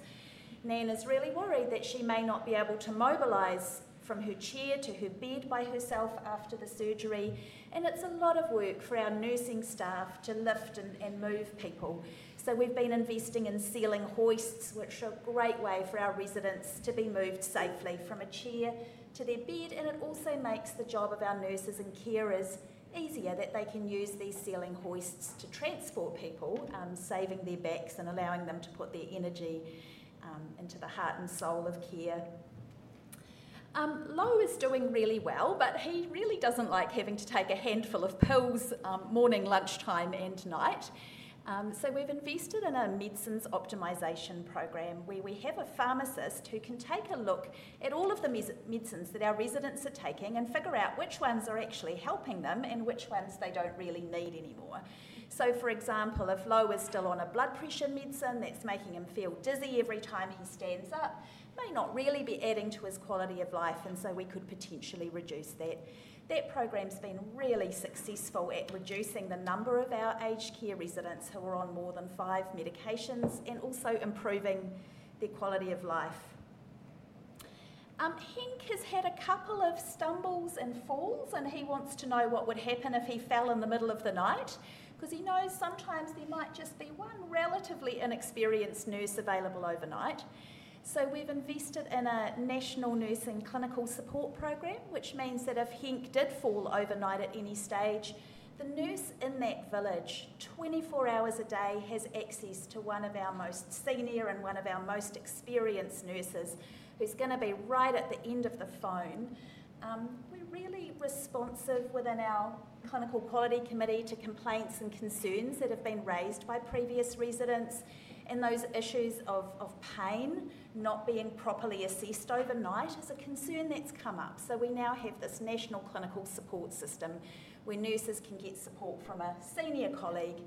Nan is really worried that she may not be able to mobilize from her chair to her bed by herself after the surgery. It is a lot of work for our nursing staff to lift and move people. We have been investing in ceiling hoists, which are a great way for our residents to be moved safely from a chair to their bed. It also makes the job of our nurses and carers easier that they can use these ceiling hoists to transport people, saving their backs and allowing them to put their energy into the heart and soul of care. Lowe is doing really well, but he really does not like having to take a handful of pills morning, lunchtime, and night. We have invested in a medicines optimisation program where we have a pharmacist who can take a look at all of the medicines that our residents are taking and figure out which ones are actually helping them and which ones they do not really need anymore. For example, if Lowe is still on a blood pressure medicine that's making him feel dizzy every time he stands up, it may not really be adding to his quality of life, and we could potentially reduce that. That program's been really successful at reducing the number of our aged care residents who are on more than five medications and also improving their quality of life. Hink has had a couple of stumbles and falls, and he wants to know what would happen if he fell in the middle of the night because he knows sometimes there might just be one relatively inexperienced nurse available overnight. We have invested in a National Nursing Clinical Support Program, which means that if Hink did fall overnight at any stage, the nurse in that village 24 hours a day has access to one of our most senior and one of our most experienced nurses who is going to be right at the end of the phone. We are really responsive within our Clinical Quality Committee to complaints and concerns that have been raised by previous residents. Those issues of pain not being properly assessed overnight is a concern that has come up. We now have this National Clinical Support System where nurses can get support from a senior colleague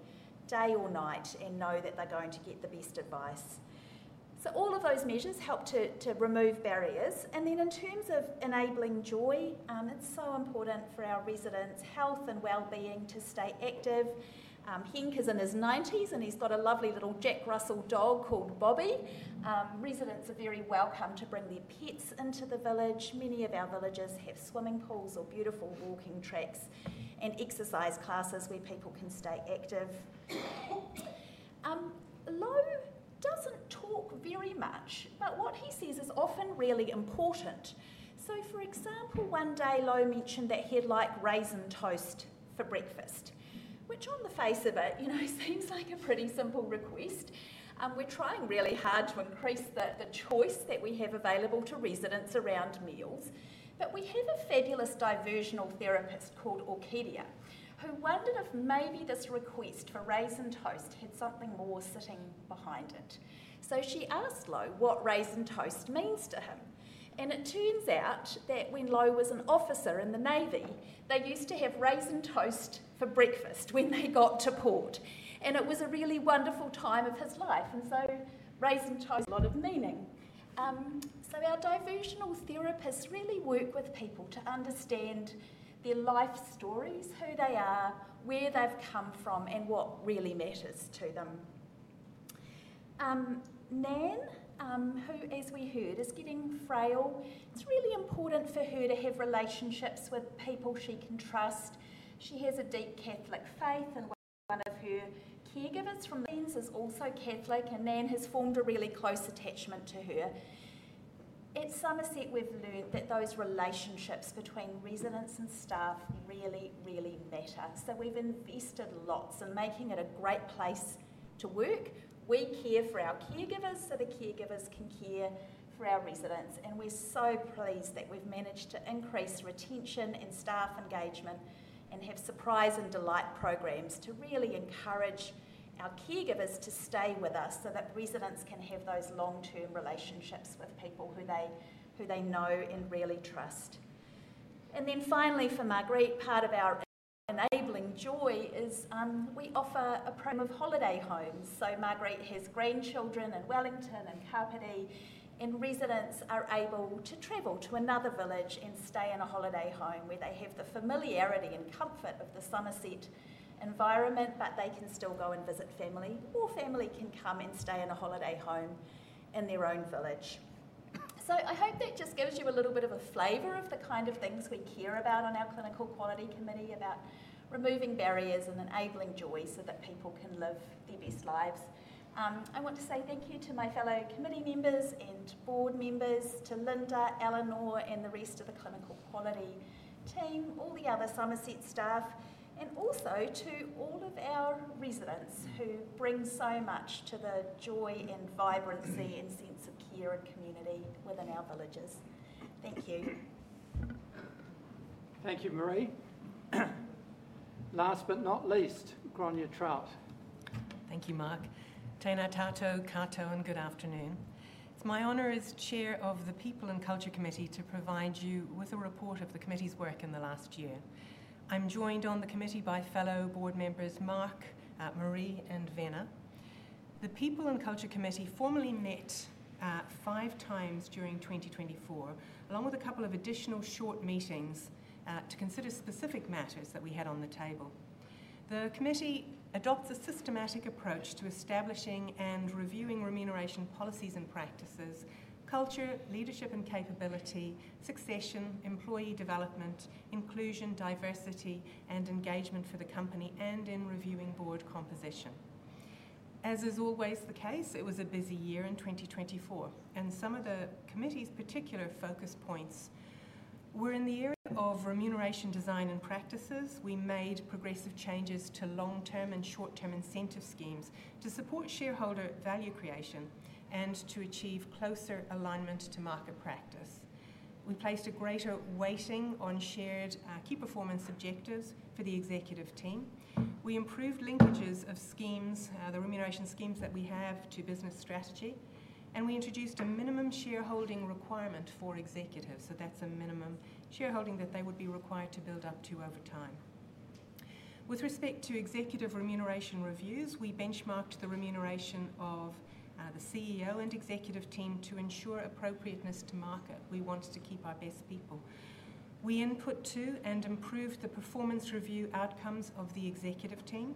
day or night and know that they are going to get the best advice. All of those measures help to remove barriers. In terms of enabling joy, it is so important for our residents' health and well-being to stay active. Hink is in his 90s, and he's got a lovely little Jack Russell dog called Bobby. Residents are very welcome to bring their pets into the village. Many of our villages have swimming pools or beautiful walking tracks and exercise classes where people can stay active. Lowe doesn't talk very much, but what he sees is often really important. For example, one day Lowe mentioned that he'd like raisin toast for breakfast, which on the face of it seems like a pretty simple request. We're trying really hard to increase the choice that we have available to residents around meals. We have a fabulous diversional therapist called Orkidia who wondered if maybe this request for raisin toast had something more sitting behind it. She asked Lowe what raisin toast means to him. It turns out that when Lowe was an officer in the Navy, they used to have raisin toast for breakfast when they got to port. It was a really wonderful time of his life. Raisin toast has a lot of meaning. Our diversional therapists really work with people to understand their life stories, who they are, where they've come from, and what really matters to them. Nan, who as we heard is getting frail, it's really important for her to have relationships with people she can trust. She has a deep Catholic faith, and one of her caregivers from Lans is also Catholic, and Nan has formed a really close attachment to her. At Summerset, we've learned that those relationships between residents and staff really, really matter. We've invested lots in making it a great place to work. We care for our caregivers so the caregivers can care for our residents. We are so pleased that we have managed to increase retention and staff engagement and have surprise and delight programs to really encourage our caregivers to stay with us so that residents can have those long-term relationships with people who they know and really trust. Finally, for Margriet, part of our enabling joy is we offer a program of holiday homes. Margriet has grandchildren in Wellington and Kapiti, and residents are able to travel to another village and stay in a holiday home where they have the familiarity and comfort of the Summerset environment, but they can still go and visit family, or family can come and stay in a holiday home in their own village. I hope that just gives you a little bit of a flavor of the kind of things we care about on our Clinical Quality Committee about removing barriers and enabling joy so that people can live their best lives. I want to say thank you to my fellow committee members and board members, to Linda, Eleanor, and the rest of the Clinical Quality team, all the other Summerset staff, and also to all of our residents who bring so much to the joy and vibrancy and sense of care and community within our villages. Thank you. Thank you, Marie. Last but not least, Gráinne Troute. Thank you, Mark. Te Nā Tātou, kā tō and good afternoon. It's my honor as chair of the People and Culture Committee to provide you with a report of the committee's work in the last year. I'm joined on the committee by fellow board members, Mark, Marie, and Vena. The People and Culture Committee formally met 5x during 2024, along with a couple of additional short meetings to consider specific matters that we had on the table. The committee adopts a systematic approach to establishing and reviewing remuneration policies and practices, culture, leadership and capability, succession, employee development, inclusion, diversity, and engagement for the company, and in reviewing board composition. As is always the case, it was a busy year in 2024. Some of the committee's particular focus points were in the area of remuneration design and practices. We made progressive changes to long-term and short-term incentive schemes to support shareholder value creation and to achieve closer alignment to market practice. We placed a greater weighting on shared key performance objectives for the executive team. We improved linkages of schemes, the remuneration schemes that we have to business strategy. We introduced a minimum shareholding requirement for executives. That is a minimum shareholding that they would be required to build up to over time. With respect to executive remuneration reviews, we benchmarked the remuneration of the CEO and executive team to ensure appropriateness to market. We want to keep our best people. We input to and improved the performance review outcomes of the executive team.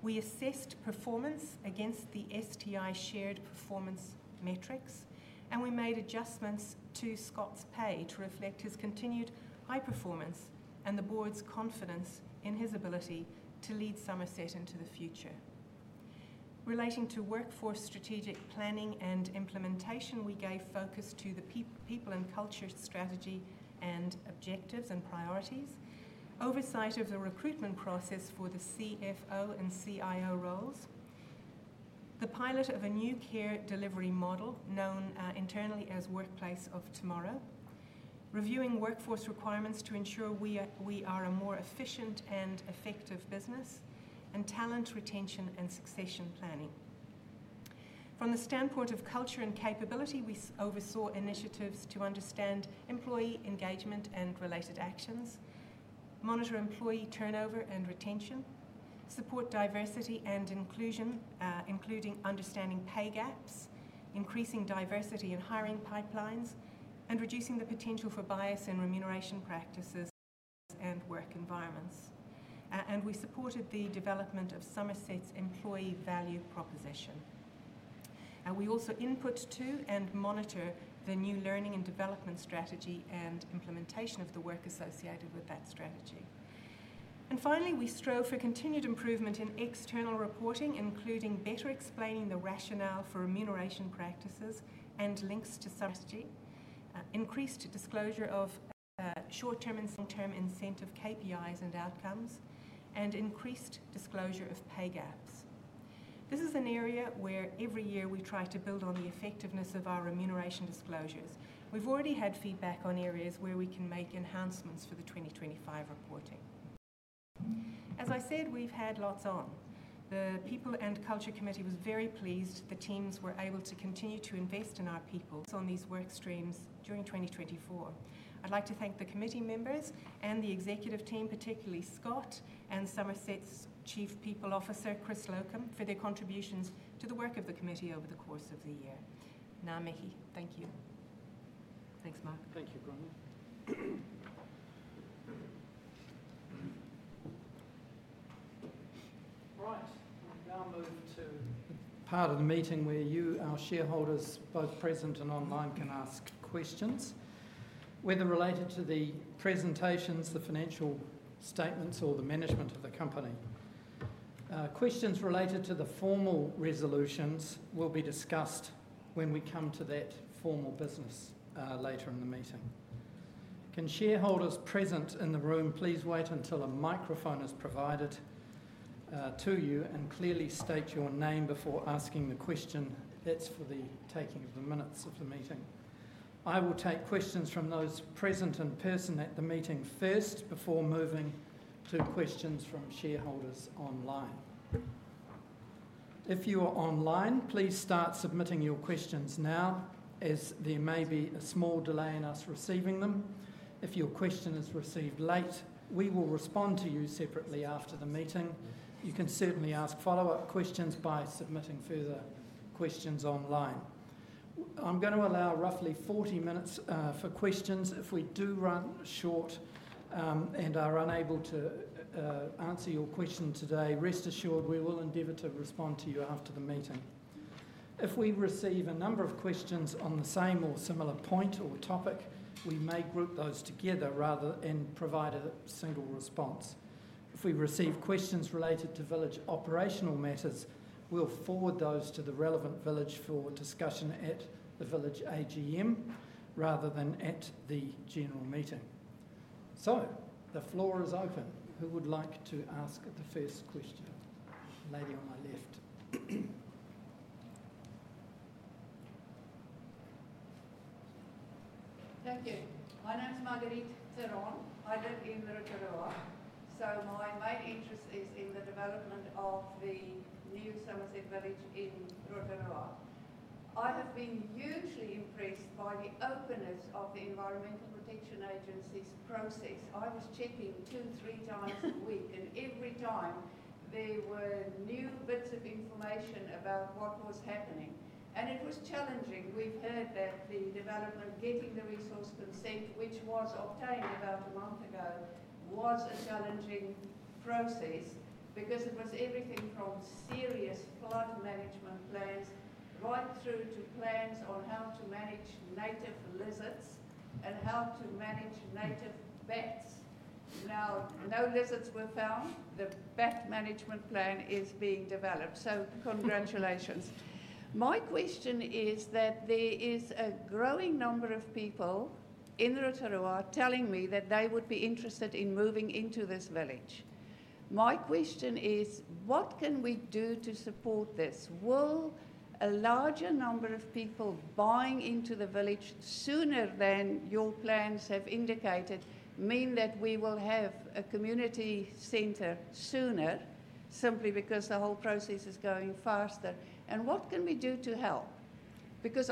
We assessed performance against the STI shared performance metrics, and we made adjustments to Scott's pay to reflect his continued high performance and the board's confidence in his ability to lead Summerset into the future. Relating to workforce strategic planning and implementation, we gave focus to the people and culture strategy and objectives and priorities, oversight of the recruitment process for the CFO and CIO roles, the pilot of a new care delivery model known internally as Workplace of Tomorrow, reviewing workforce requirements to ensure we are a more efficient and effective business, and talent retention and succession planning. From the standpoint of culture and capability, we oversaw initiatives to understand employee engagement and related actions, monitor employee turnover and retention, support diversity and inclusion, including understanding pay gaps, increasing diversity in hiring pipelines, and reducing the potential for bias in remuneration practices and work environments. We supported the development of Summerset's employee value proposition. We also input to and monitor the new learning and development strategy and implementation of the work associated with that strategy. Finally, we strove for continued improvement in external reporting, including better explaining the rationale for remuneration practices and links to strategy, increased disclosure of short-term and long-term incentive KPIs and outcomes, and increased disclosure of pay gaps. This is an area where every year we try to build on the effectiveness of our remuneration disclosures. We've already had feedback on areas where we can make enhancements for the 2025 reporting. As I said, we've had lots on. The People and Culture Committee was very pleased the teams were able to continue to invest in our people on these work streams during 2024. I'd like to thank the committee members and the executive team, particularly Scott and Summerset's Chief People Officer, Chris Lokum, for their contributions to the work of the committee over the course of the year. Nā Mihi, thank you. Thanks, Mark. Thank you, Gráinne. Right. We'll now move to the part of the meeting where you, our shareholders, both present and online, can ask questions whether related to the presentations, the financial statements, or the management of the company. Questions related to the formal resolutions will be discussed when we come to that formal business later in the meeting. Can shareholders present in the room please wait until a microphone is provided to you and clearly state your name before asking the question? That is for the taking of the minutes of the meeting. I will take questions from those present in person at the meeting first before moving to questions from shareholders online. If you are online, please start submitting your questions now as there may be a small delay in us receiving them. If your question is received late, we will respond to you separately after the meeting. You can certainly ask follow-up questions by submitting further questions online. I'm going to allow roughly 40 minutes for questions. If we do run short and are unable to answer your question today, rest assured we will endeavour to respond to you after the meeting. If we receive a number of questions on the same or similar point or topic, we may group those together and provide a single response. If we receive questions related to village operational matters, we'll forward those to the relevant village for discussion at the village AGM rather than at the general meeting. The floor is open. Who would like to ask the first question? Lady on my left. Thank you. My name's Marguerite Taronne. I live in Rotorua. My main interest is in the development of the new Summerset village in Rotorua. I have been hugely impressed by the openness of the Environmental Protection Agency's process. I was checking 2x, 3x a week, and every time there were new bits of information about what was happening. It was challenging. We've heard that the development, getting the resource consent, which was obtained about a month ago, was a challenging process because it was everything from serious flood management plans right through to plans on how to manage native lizards and how to manage native bats. Now, no lizards were found. The bat management plan is being developed. Congratulations. My question is that there is a growing number of people in Rotorua telling me that they would be interested in moving into this village. My question is, what can we do to support this? Will a larger number of people buying into the village sooner than your plans have indicated mean that we will have a community center sooner simply because the whole process is going faster? What can we do to help?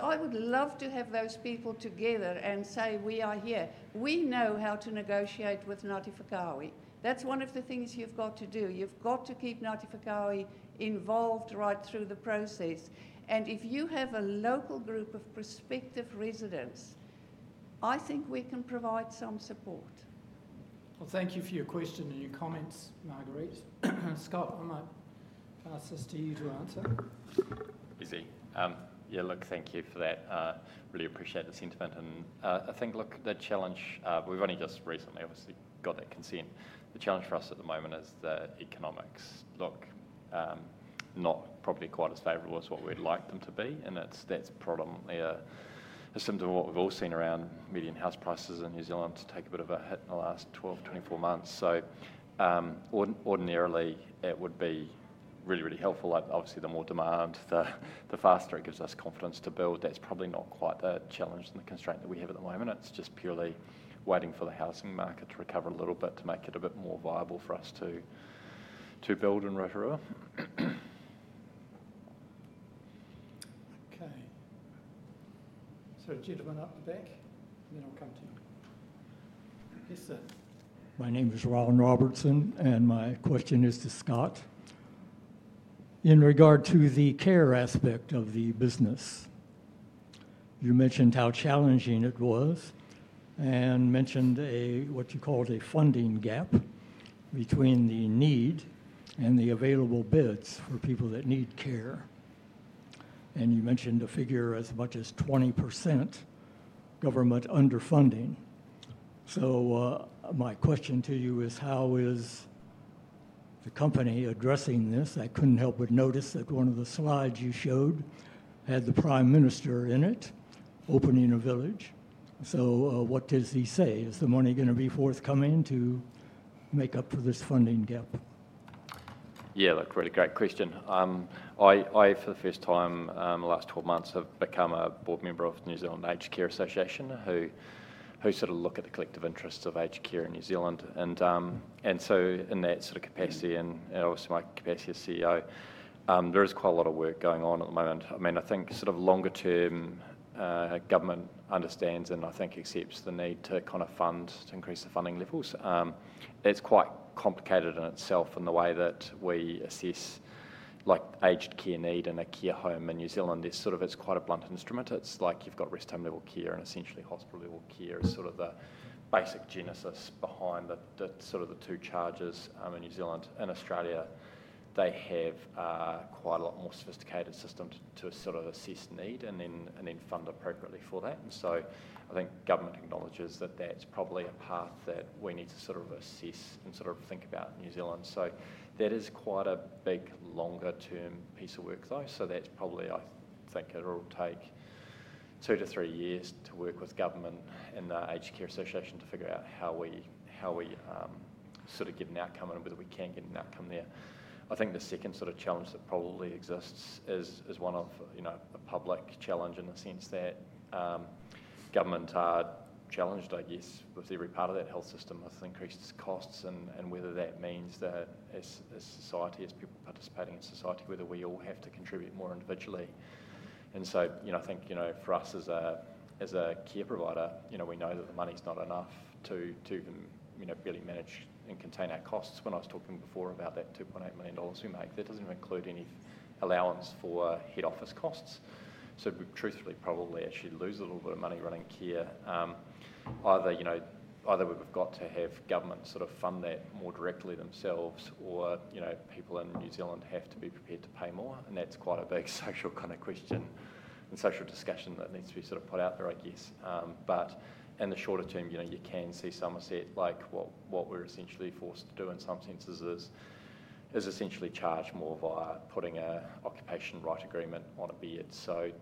I would love to have those people together and say, "We are here. We know how to negotiate with Ngāti Whakao." That's one of the things you've got to do. You've got to keep Ngāti Whakao involved right through the process. If you have a local group of prospective residents, I think we can provide some support. Thank you for your question and your comments, Marguerite. Scott, I might pass this to you to answer. Easy. Yeah, thank you for that. Really appreciate the sentiment. I think the challenge, we've only just recently, obviously, got that consent. The challenge for us at the moment is the economics. Look, not probably quite as favorable as what we'd like them to be. That's probably a symptom of what we've all seen around median house prices in New Zealand to take a bit of a hit in the last 12-24 months. Ordinarily, it would be really, really helpful. Obviously, the more demand, the faster it gives us confidence to build. That's probably not quite the challenge and the constraint that we have at the moment. It's just purely waiting for the housing market to recover a little bit to make it a bit more viable for us to build in Rotorua. Okay. Gentlemen up the back, and then I'll come to you. Yes, sir. My name is Ryan Robertson, and my question is to Scott. In regard to the care aspect of the business, you mentioned how challenging it was and mentioned what you called a funding gap between the need and the available beds for people that need care. You mentioned a figure as much as 20% government underfunding. My question to you is, how is the company addressing this? I couldn't help but notice that one of the slides you showed had the Prime Minister in it, opening a village. What does he say? Is the money going to be forthcoming to make up for this funding gap? Yeah, look, really great question. I, for the first time in the last 12 months, have become a board member of the New Zealand Aged Care Association who sort of look at the collective interests of aged care in New Zealand. In that sort of capacity, and obviously my capacity as CEO, there is quite a lot of work going on at the moment. I mean, I think sort of longer-term government understands and I think accepts the need to kind of fund to increase the funding levels. It is quite complicated in itself in the way that we assess aged care need in a care home in New Zealand. It is sort of quite a blunt instrument. It is like you have got rest home level care and essentially hospital level care is sort of the basic genesis behind sort of the two charges in New Zealand. In Australia, they have quite a lot more sophisticated systems to sort of assess need and then fund appropriately for that. I think government acknowledges that that's probably a path that we need to sort of assess and sort of think about in New Zealand. That is quite a big longer-term piece of work, though. That is probably, I think, it'll take two to three years to work with government and the Aged Care Association to figure out how we sort of get an outcome and whether we can get an outcome there. I think the second sort of challenge that probably exists is one of a public challenge in the sense that government are challenged, I guess, with every part of that health system with increased costs and whether that means that as society, as people participating in society, whether we all have to contribute more individually. I think for us as a care provider, we know that the money's not enough to even really manage and contain our costs. When I was talking before about that 2.8 million dollars we make, that doesn't include any allowance for head office costs. We truthfully probably actually lose a little bit of money running care. Either we've got to have government sort of fund that more directly themselves or people in New Zealand have to be prepared to pay more. That's quite a big social kind of question and social discussion that needs to be sort of put out there, I guess. In the shorter term, you can see Summerset like what we're essentially forced to do in some senses is essentially charge more via putting an occupation right agreement on a bid.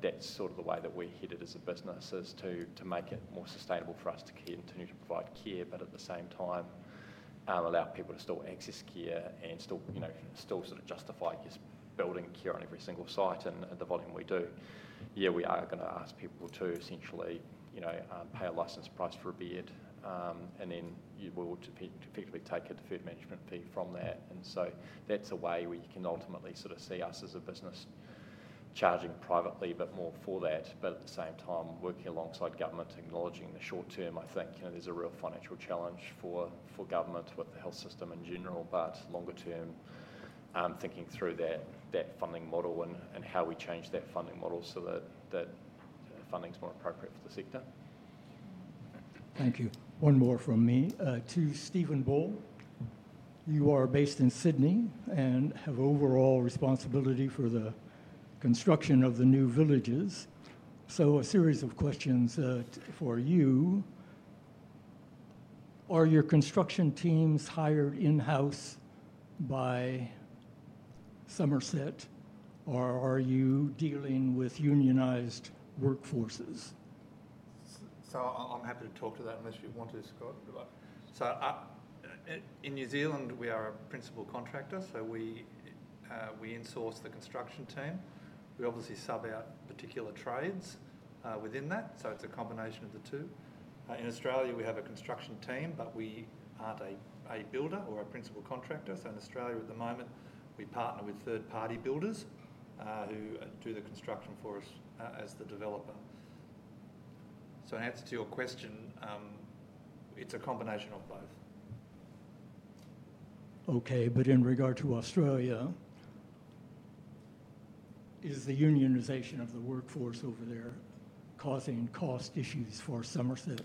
That is sort of the way that we're headed as a business, to make it more sustainable for us to continue to provide care, but at the same time, allow people to still access care and still sort of justify, I guess, building care on every single site and the volume we do. Yeah, we are going to ask people to essentially pay a license price for a bed. Then we will effectively take a deferred management fee from that. That's a way where you can ultimately sort of see us as a business charging privately a bit more for that, but at the same time, working alongside government, acknowledging the short term, I think there's a real financial challenge for government with the health system in general, but longer-term thinking through that funding model and how we change that funding model so that funding's more appropriate for the sector. Thank you. One more from me to Stephen Bull. You are based in Sydney and have overall responsibility for the construction of the new villages. A series of questions for you. Are your construction teams hired in-house by Summerset, or are you dealing with unionized workforces? I'm happy to talk to that unless you want to, Scott. In New Zealand, we are a principal contractor, so we insource the construction team. We obviously sub out particular trades within that, so it's a combination of the two. In Australia, we have a construction team, but we aren't a builder or a principal contractor. In Australia at the moment, we partner with third-party builders who do the construction for us as the developer. In answer to your question, it's a combination of both. Okay, but in regard to Australia, is the unionisation of the workforce over there causing cost issues for Summerset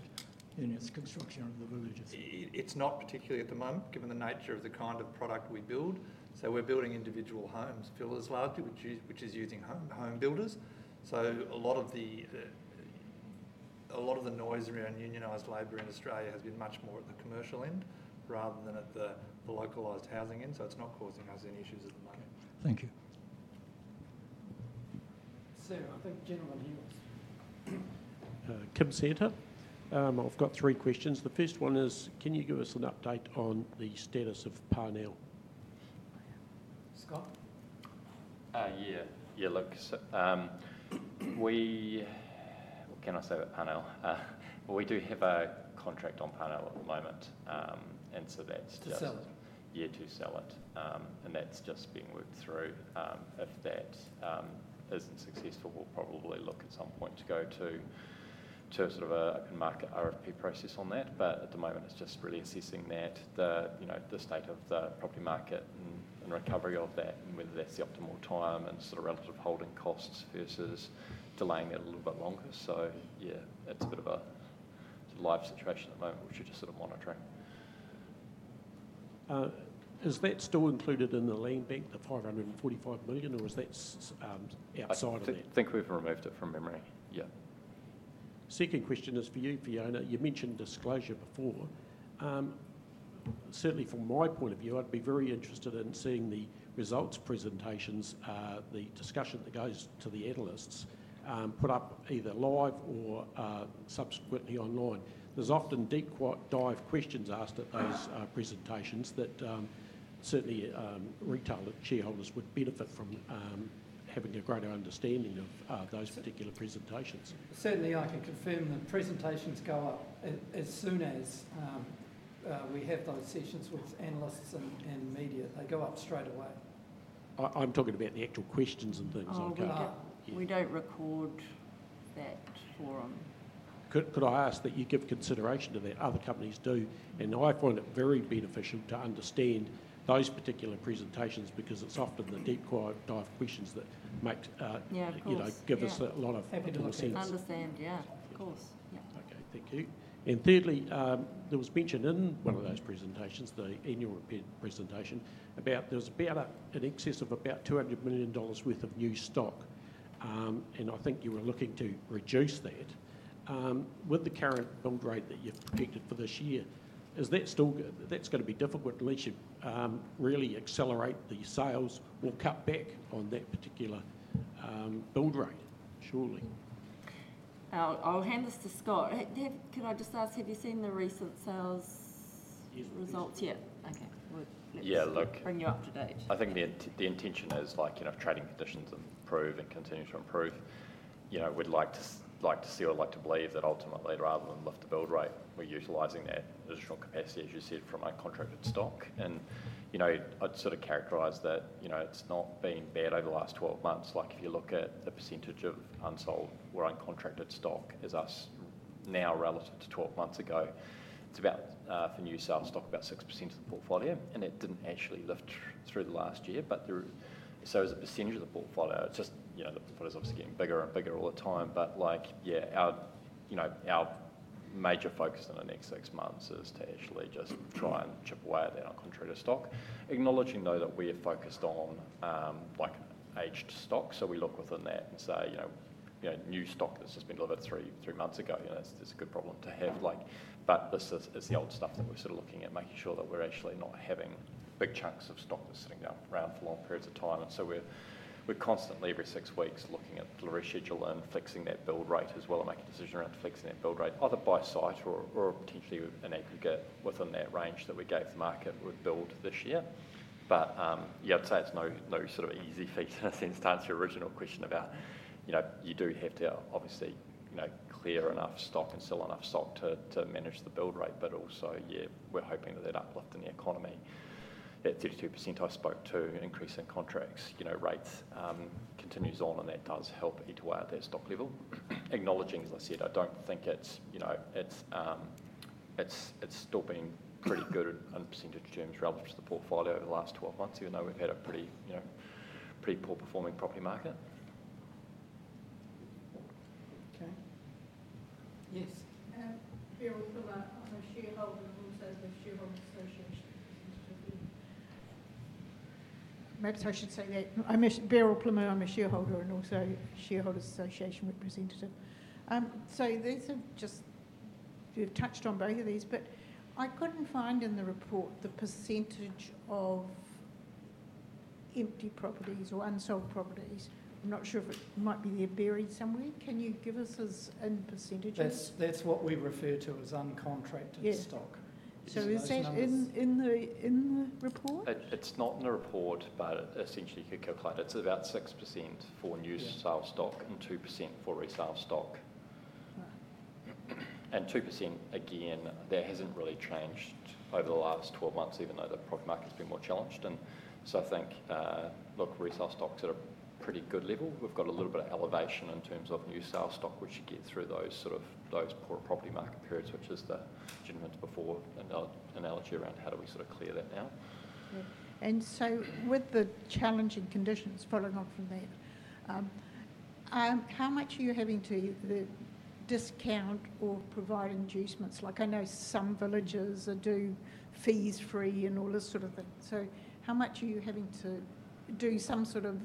in its construction of the villages? It's not particularly at the moment given the nature of the kind of product we build. We're building individual homes, villas, largely, which is using home builders. A lot of the noise around unionised labor in Australia has been much more at the commercial end rather than at the localised housing end. It's not causing us any issues at the moment. Thank you. Sam, I think gentlemen here. Kim Senter. I've got three questions. The first one is, can you give us an update on the status of Parnell? Scott. Yeah. Yeah, look, what can I say about Parnell? We do have a contract on Parnell at the moment. That's just. To sell it. Yeah, to sell it. That's just being worked through. If that isn't successful, we'll probably look at some point to go to sort of an open market RFP process on that. At the moment, it's just really assessing that, the state of the property market and recovery of that, and whether that's the optimal time and sort of relative holding costs versus delaying it a little bit longer. Yeah, it's a bit of a live situation at the moment, which we're just sort of monitoring. Is that still included in the land bank, the 545 million, or is that outside of it? I think we've removed it from memory. Yeah. Second question is for you, Fiona. You mentioned disclosure before. Certainly, from my point of view, I'd be very interested in seeing the results presentations, the discussion that goes to the analysts, put up either live or subsequently online. There's often deep dive questions asked at those presentations that certainly retail shareholders would benefit from having a greater understanding of those particular presentations. Certainly, I can confirm the presentations go up as soon as we have those sessions with analysts and media. They go up straight away. I'm talking about the actual questions and things. Oh, no. We don't record that forum. Could I ask that you give consideration to that? Other companies do. I find it very beneficial to understand those particular presentations because it's often the deep dive questions that give us a lot of sense. Happy to understand. Yeah, of course. Yeah. Okay. Thank you. Thirdly, there was mention in one of those presentations, the annual presentation, there was an excess of about 200 million dollars worth of new stock. I think you were looking to reduce that. With the current build rate that you've projected for this year, is that still good? That's going to be difficult unless you really accelerate the sales or cut back on that particular build rate. Surely. I'll hand this to Scott. Could I just ask, have you seen the recent sales results yet? Okay. We'll let you bring you up to date. I think the intention is trading conditions improve and continue to improve. We'd like to see or like to believe that ultimately, rather than lift the build rate, we're utilizing that additional capacity, as you said, from uncontracted stock. I'd sort of characterize that it's not been bad over the last 12 months. If you look at the percentage of unsold or uncontracted stock as us now relative to 12 months ago, it's about, for new sales stock, about 6% of the portfolio. It didn't actually lift through the last year. As a percentage of the portfolio, it's just the portfolio's obviously getting bigger and bigger all the time. Our major focus in the next six months is to actually just try and chip away at that uncontracted stock. Acknowledging, though, that we are focused on aged stock. We look within that and say, "New stock that's just been delivered three months ago, it's a good problem to have." This is the old stuff that we're sort of looking at, making sure that we're actually not having big chunks of stock that's sitting around for long periods of time. We're constantly, every six weeks, looking at the reschedule and fixing that build rate as well and making a decision around fixing that build rate, either by site or potentially an aggregate within that range that we gave the market would build this year. I'd say it's no sort of easy feat in a sense to answer your original question about you do have to obviously clear enough stock and sell enough stock to manage the build rate. Also, yeah, we're hoping that that uplift in the economy, that 32% I spoke to, increase in contract rates continues on, and that does help eat away at that stock level. Acknowledging, as I said, I think it's still been pretty good in percentage terms relative to the portfolio over the last 12 months, even though we've had a pretty poor-performing property market. Okay. Yes. I'm Beryl Plimmer. I'm a shareholder and also the Shareholders Association representative. Maybe I should say that I'm Beryl Plimmer. I'm a shareholder and also Shareholders Association representative. You've touched on both of these, but I couldn't find in the report the percentage of empty properties or unsold properties. I'm not sure if it might be there buried somewhere. Can you give us in percentages? That's what we refer to as uncontracted stock. Is that in the report? It's not in the report, but essentially you could calculate it. It's about 6% for new sales stock and 2% for resale stock. And 2%, again, that hasn't really changed over the last 12 months, even though the property market's been more challenged. I think, look, resale stock's at a pretty good level. We've got a little bit of elevation in terms of new sales stock, which you get through those poor property market periods, which is the gentleman's before analogy around how do we sort of clear that now. With the challenging conditions following on from that, how much are you having to discount or provide inducements? I know some villages do fees-free and all this sort of thing. How much are you having to do some sort of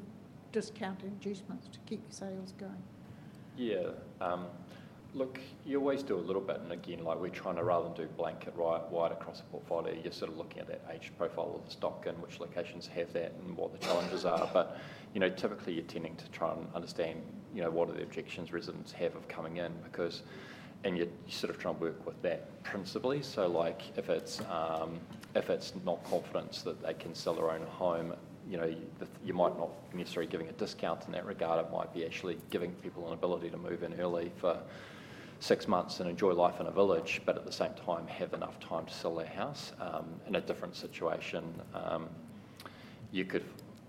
discount inducements to keep your sales going? Yeah. Look, you always do a little bit. We're trying to, rather than do blanket right wide across the portfolio, sort of look at that age profile of the stock and which locations have that and what the challenges are. Typically, you're tending to try and understand what are the objections residents have of coming in, and you're sort of trying to work with that principally. If it's not confidence that they can sell their own home, you might not necessarily be giving a discount in that regard. It might be actually giving people an ability to move in early for six months and enjoy life in a village, but at the same time, have enough time to sell their house. In a different situation, you could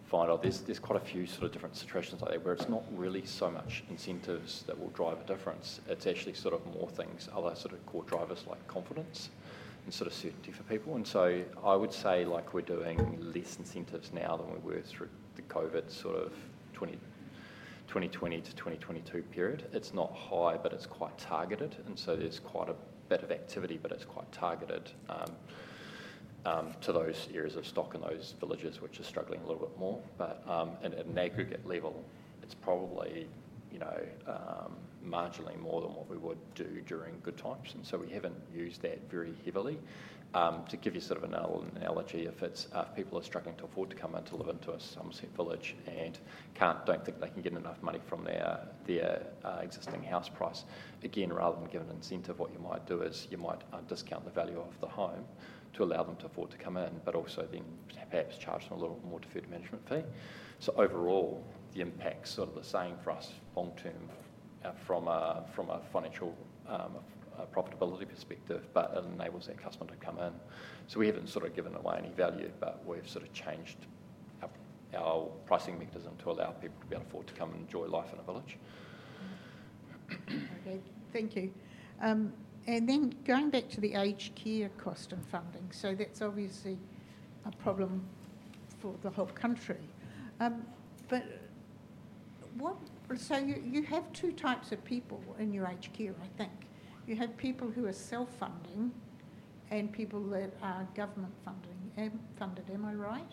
find there's quite a few sort of different situations out there where it's not really so much incentives that will drive a difference. It's actually sort of more things, other sort of core drivers like confidence and sort of certainty for people. I would say we're doing less incentives now than we were through the COVID sort of 2020-2022 period. It's not high, but it's quite targeted. There's quite a bit of activity, but it's quite targeted to those areas of stock and those villages which are struggling a little bit more. At an aggregate level, it's probably marginally more than what we would do during good times. We haven't used that very heavily. To give you sort of an analogy, if people are struggling to afford to come into live into a Summerset village and do not think they can get enough money from their existing house price, again, rather than give an incentive, what you might do is you might discount the value of the home to allow them to afford to come in, but also then perhaps charge them a little more deferred management fee. Overall, the impact is sort of the same for us long term from a financial profitability perspective, but it enables that customer to come in. We have not sort of given away any value, but we have sort of changed our pricing mechanism to allow people to be able to afford to come and enjoy life in a village. Okay. Thank you. Going back to the aged care cost and funding. That's obviously a problem for the whole country. You have two types of people in your aged care, I think. You have people who are self-funding and people that are government funded. Am I right?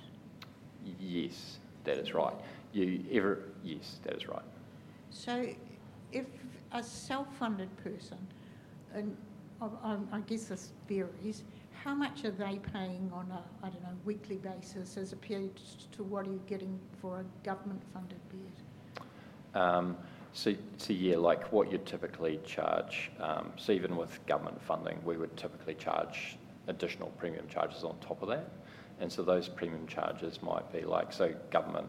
Yes. That is right. Yes. That is right. If a self-funded person, and I guess this varies, how much are they paying on a, I don't know, weekly basis as a period to what are you getting for a government-funded bed? What you'd typically charge, even with government funding, we would typically charge additional premium charges on top of that. Those premium charges might be like, so government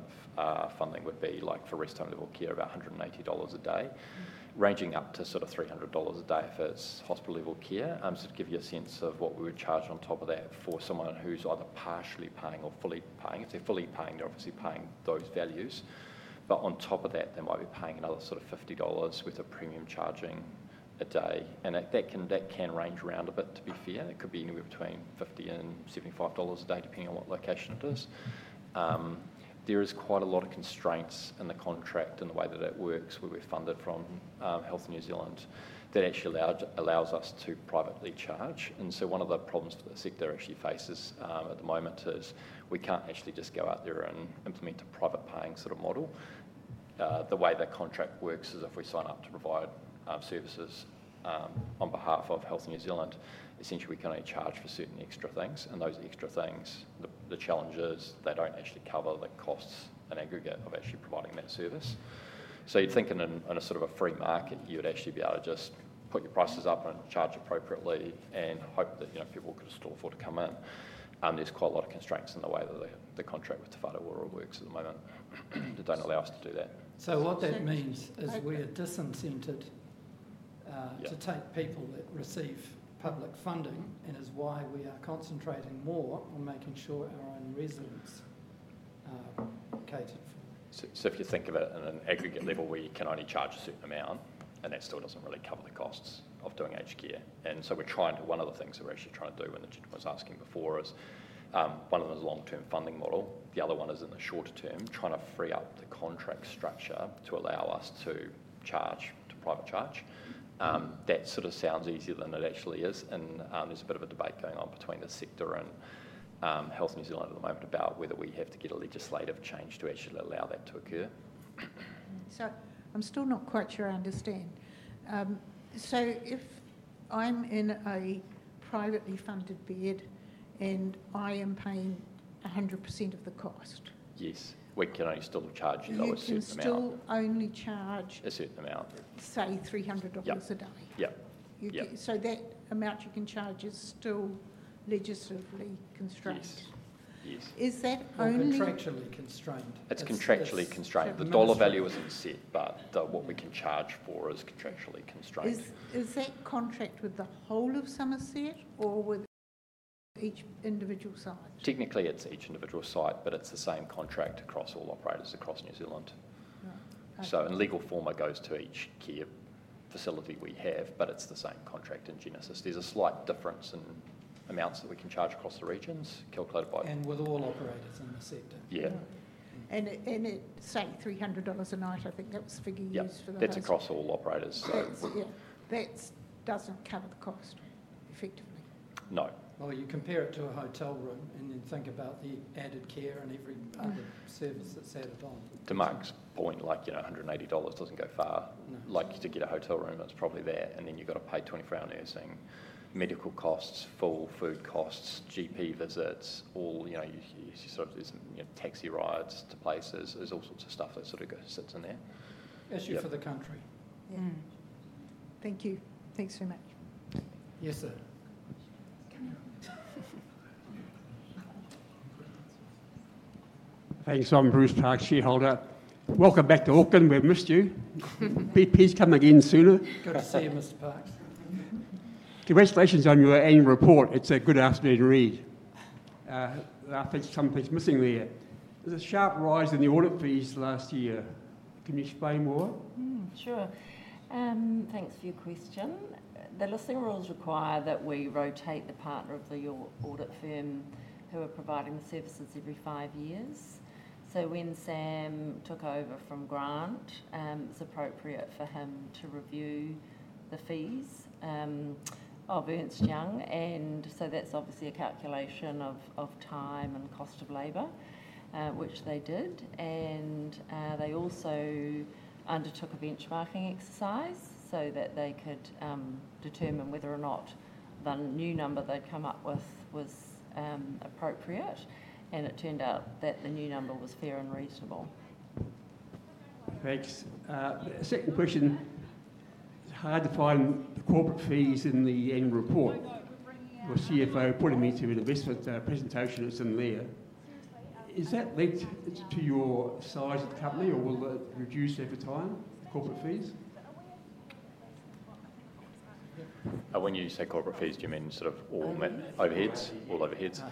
funding would be like for rest home level care about 180 dollars a day, ranging up to sort of 300 dollars a day for hospital level care. To give you a sense of what we would charge on top of that for someone who's either partially paying or fully paying. If they're fully paying, they're obviously paying those values. On top of that, they might be paying another sort of 50 dollars with a premium charging a day. That can range around a bit, to be fair. It could be anywhere between 50 and 75 dollars a day, depending on what location it is. There is quite a lot of constraints in the contract and the way that it works, where we're funded from Health New Zealand, that actually allows us to privately charge. One of the problems that the sector actually faces at the moment is we can't actually just go out there and implement a private-paying sort of model. The way that contract works is if we sign up to provide services on behalf of Health New Zealand, essentially we can only charge for certain extra things. Those extra things, the challenge is they do not actually cover the costs in aggregate of actually providing that service. You would think in a sort of a free market, you would actually be able to just put your prices up and charge appropriately and hope that people could still afford to come in. There are quite a lot of constraints in the way that the contract with Te Whatu Ora works at the moment that do not allow us to do that. What that means is we are disincentivized to take people that receive public funding, and it is why we are concentrating more on making sure our own residents are located for that. If you think of it in an aggregate level, we can only charge a certain amount, and that still doesn't really cover the costs of doing aged care. We're trying to, one of the things we're actually trying to do, when the gentleman was asking before, is one of them is a long-term funding model. The other one is in the shorter term, trying to free up the contract structure to allow us to charge to private charge. That sort of sounds easier than it actually is. There's a bit of a debate going on between the sector and Health New Zealand at the moment about whether we have to get a legislative change to actually allow that to occur. I'm still not quite sure I understand. If I'm in a privately funded bed and I am paying 100% of the cost. Yes. We can only still charge a certain amount. We can still only charge a certain amount. Say $300 a day. Yeah. That amount you can charge is still legislatively constrained. Yes. Is that only contractually constrained? It's contractually constrained. The dollar value isn't set, but what we can charge for is contractually constrained. Is that contract with the whole of Summerset or with each individual site? Technically, it's each individual site, but it's the same contract across all operators across New Zealand. In legal form, it goes to each care facility we have, but it's the same contract in general. There's a slight difference in amounts that we can charge across the regions calculated by, and with all operators in the sector. Yeah. It's, say, $300 a night. I think that was the figure used for the last. That's across all operators. That does not cover the cost effectively. No. You compare it to a hotel room and then think about the added care and every other service that is added on. To Mark's point, $180 does not go far. To get a hotel room, it is probably that. Then you have to pay 24-hour nursing, medical costs, full food costs, GP visits, all these taxi rides to places. There is all sorts of stuff that sits in there. That is it for the country. Thank you. Thanks very much. Yes, sir. Thanks. I am Bruce Parks, shareholder. Welcome back to Auckland. We have missed you. Please come again sooner. Good to see you, Mr. Parks. Congratulations on your annual report. It is a good afternoon read. I think something is missing there. There is a sharp rise in the audit fees last year. Can you explain why? Sure. Thanks for your question. The listing rules require that we rotate the partner of the audit firm who are providing the services every five years. When Sam took over from Grant, it's appropriate for him to review the fees of Ernst Young. That's obviously a calculation of time and cost of labor, which they did. They also undertook a benchmarking exercise so that they could determine whether or not the new number they'd come up with was appropriate. It turned out that the new number was fair and reasonable. Thanks. Second question. It's hard to find the corporate fees in the annual report. No, no. We're bringing out. Your CFO put him into an investment presentation that's in there. Is that linked to your size of the company, or will it reduce over time, the corporate fees? Are we actually doing investment? I think I've got my spouse. When you say corporate fees, do you mean sort of all overheads? All overheads.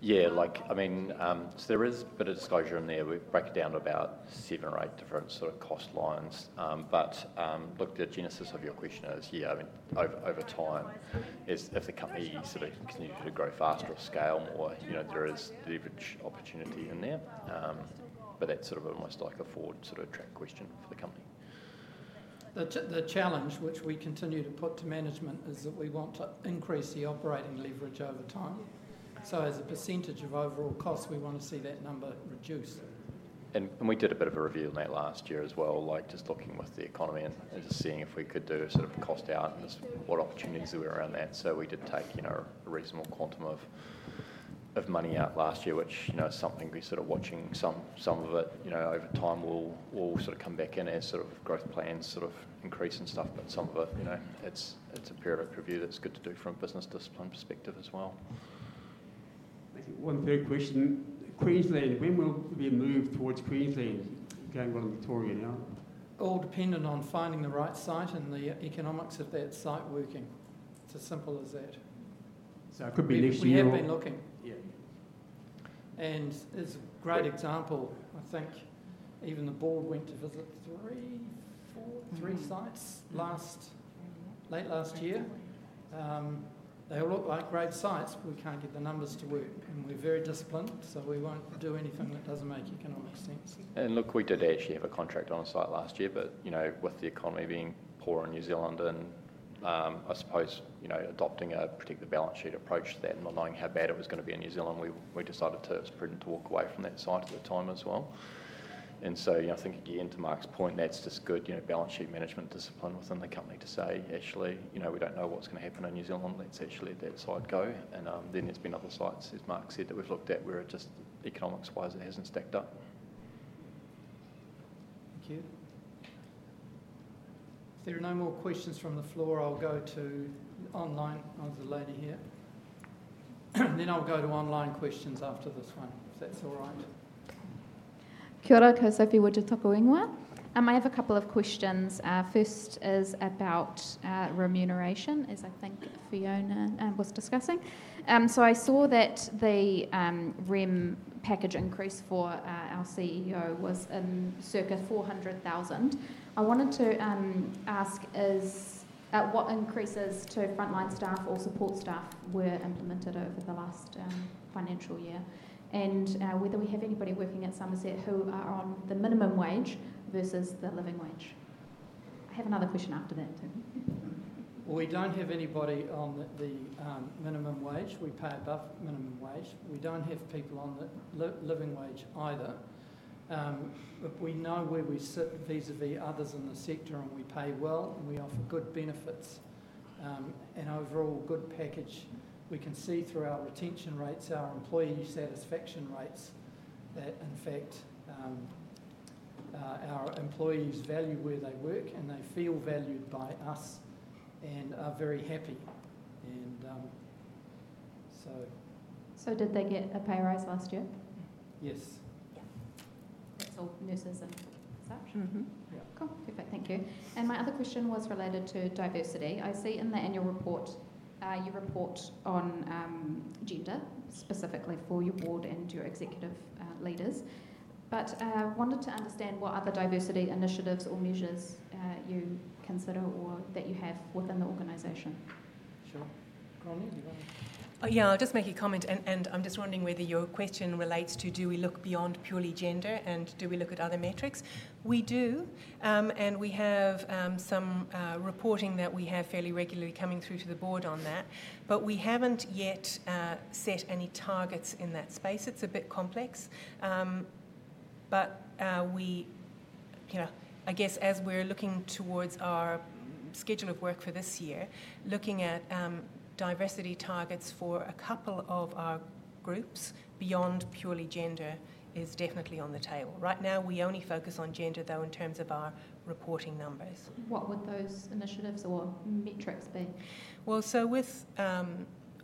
Yeah. I mean, there is a bit of disclosure in there. We break it down to about seven or eight different sort of cost lines. Look, the genesis of your question is, yeah, over time, if the company sort of continues to grow faster or scale more, there is leverage opportunity in there. That is almost like a forward sort of track question for the company. The challenge which we continue to put to management is that we want to increase the operating leverage over time. As a percentage of overall cost, we want to see that number reduce. We did a bit of a review on that last year as well, just looking with the economy and just seeing if we could do sort of a cost out and what opportunities there were around that. We did take a reasonable quantum of money out last year, which is something we're sort of watching. Some of it over time will sort of come back in as sort of growth plans sort of increase and stuff. Some of it, it's a periodic review that's good to do from a business discipline perspective as well. One third question. Queensland, when will we move towards Queensland, Gangalum, Victoria now? All dependent on finding the right site and the economics of that site working. It's as simple as that. It could be next year. We have been looking. Yeah. As a great example, I think even the board went to visit three, four, three sites late last year. They all look like great sites, but we can't get the numbers to work. We are very disciplined, so we won't do anything that doesn't make economic sense. Look, we did actually have a contract on a site last year. With the economy being poor in New Zealand and, I suppose, adopting a particular balance sheet approach to that and not knowing how bad it was going to be in New Zealand, we decided it was prudent to walk away from that site at the time as well. I think, again, to Mark's point, that's just good balance sheet management discipline within the company to say, actually, we don't know what's going to happen in New Zealand. Let's actually let that site go. There have been other sites, as Mark said, that we have looked at where just economics-wise it has not stacked up. Thank you. If there are no more questions from the floor, I will go to online onto the ladder here. I will go to online questions after this one, if that is all right. Kia ora, Kosafi Wajitoko Wengwa. I have a couple of questions. First is about remuneration, as I think Fiona was discussing. I saw that the REM package increase for our CEO was in circa $400,000. I wanted to ask what increases to frontline staff or support staff were implemented over the last financial year and whether we have anybody working at Summerset who are on the minimum wage versus the living wage. I have another question after that, too. We do not have anybody on the minimum wage. We pay above minimum wage. We do not have people on the living wage either. We know where we sit vis-à-vis others in the sector, and we pay well, and we offer good benefits and overall good package. We can see through our retention rates, our employee satisfaction rates, that in fact our employees value where they work, and they feel valued by us and are very happy. Did they get a pay rise last year? Yes. Yeah. That is all nurses and such? Mm-hmm. Yeah. Cool. Perfect. Thank you. My other question was related to diversity. I see in the annual report you report on gender, specifically for your board and your executive leaders. I wanted to understand what other diversity initiatives or measures you consider or that you have within the organization. Sure. Fiona, do you want to? Yeah. I'll just make a comment, and I'm just wondering whether your question relates to do we look beyond purely gender and do we look at other metrics. We do, and we have some reporting that we have fairly regularly coming through to the board on that. We haven't yet set any targets in that space. It's a bit complex. I guess as we're looking towards our schedule of work for this year, looking at diversity targets for a couple of our groups beyond purely gender is definitely on the table. Right now, we only focus on gender, though, in terms of our reporting numbers. What would those initiatives or metrics be?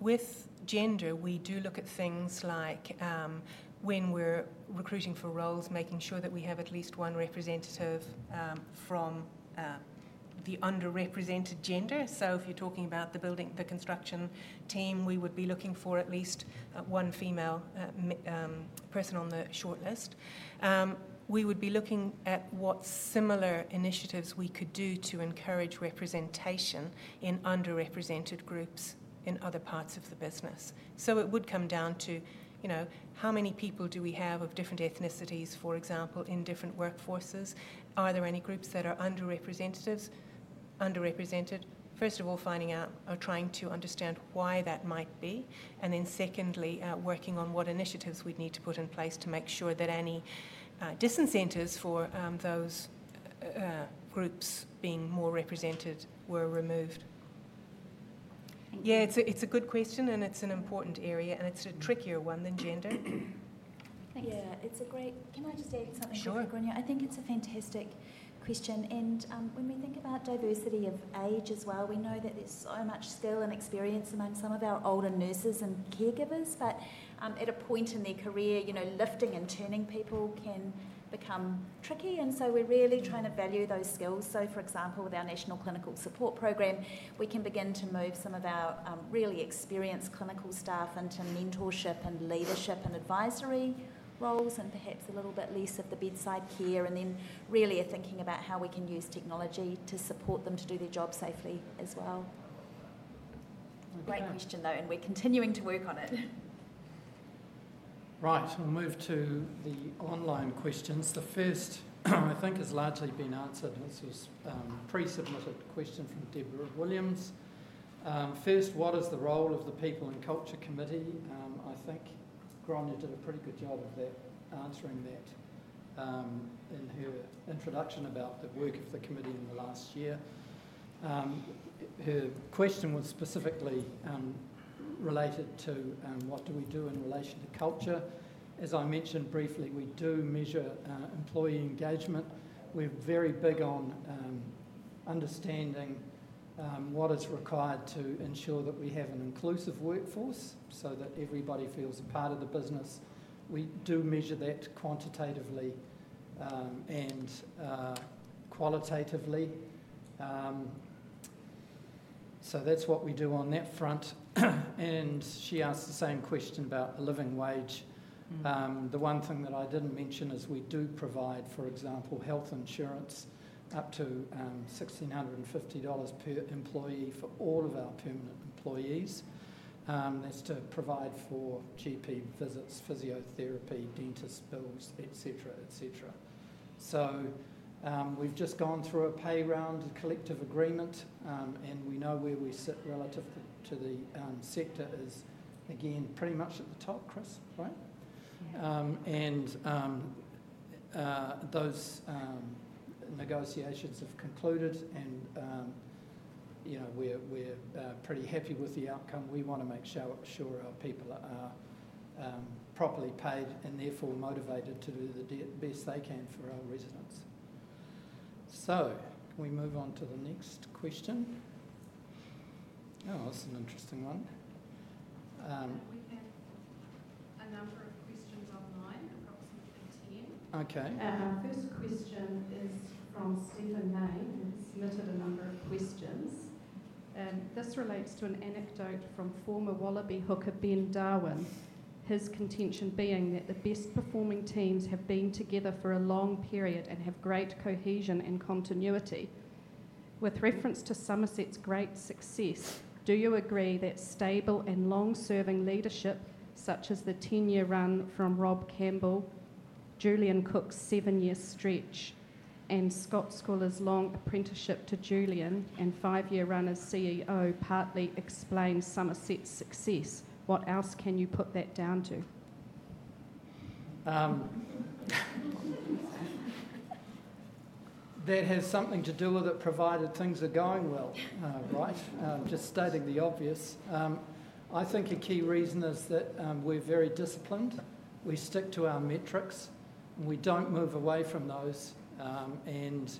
With gender, we do look at things like when we're recruiting for roles, making sure that we have at least one representative from the underrepresented gender. If you're talking about the construction team, we would be looking for at least one female person on the shortlist. We would be looking at what similar initiatives we could do to encourage representation in underrepresented groups in other parts of the business. It would come down to how many people do we have of different ethnicities, for example, in different workforces. Are there any groups that are underrepresented? First of all, finding out or trying to understand why that might be. Then, working on what initiatives we'd need to put in place to make sure that any disincentives for those groups being more represented were removed. Yeah. It's a good question, and it's an important area, and it's a trickier one than gender. Yeah. Can I just add something quick, Fiona? Sure. I think it's a fantastic question. When we think about diversity of age as well, we know that there's so much skill and experience among some of our older nurses and caregivers. At a point in their career, lifting and turning people can become tricky. We are really trying to value those skills. For example, with our National Clinical Support Program, we can begin to move some of our really experienced clinical staff into mentorship and leadership and advisory roles and perhaps a little bit less of the bedside care. We are really thinking about how we can use technology to support them to do their job safely as well. Great question, though, and we're continuing to work on it. Right. We'll move to the online questions. The first, I think, has largely been answered. This was a pre-submitted question from Deborah Williams. First, what is the role of the People and Culture Committee? I think Gráinne did a pretty good job of answering that in her introduction about the work of the committee in the last year. Her question was specifically related to what do we do in relation to culture. As I mentioned briefly, we do measure employee engagement. We're very big on understanding what is required to ensure that we have an inclusive workforce so that everybody feels a part of the business. We do measure that quantitatively and qualitatively. That's what we do on that front. She asked the same question about the living wage. The one thing that I didn't mention is we do provide, for example, health insurance up to 1,650 dollars per employee for all of our permanent employees. That's to provide for GP visits, physiotherapy, dentist bills, etc., etc. We've just gone through a pay round, a collective agreement, and we know where we sit relative to the sector is, again, pretty much at the top, Chris, right? Those negotiations have concluded, and we're pretty happy with the outcome. We want to make sure our people are properly paid and therefore motivated to do the best they can for our residents. Can we move on to the next question? Oh, that's an interesting one. We have a number of questions online, approximately 10. Okay. First question is from Stephen Maine. He's submitted a number of questions. This relates to an anecdote from former Wallaby hooker Ben Darwin, his contention being that the best-performing teams have been together for a long period and have great cohesion and continuity. With reference to Summerset's great success, do you agree that stable and long-serving leadership, such as the 10-year run from Rob Campbell, Julian Cook's 7-year stretch, and Scott Scoullar's long apprenticeship to Julian and 5-year run as CEO, partly explains Summerset's success? What else can you put that down to? That has something to do with it provided things are going well, right? Just stating the obvious. I think a key reason is that we're very disciplined. We stick to our metrics, and we don't move away from those. And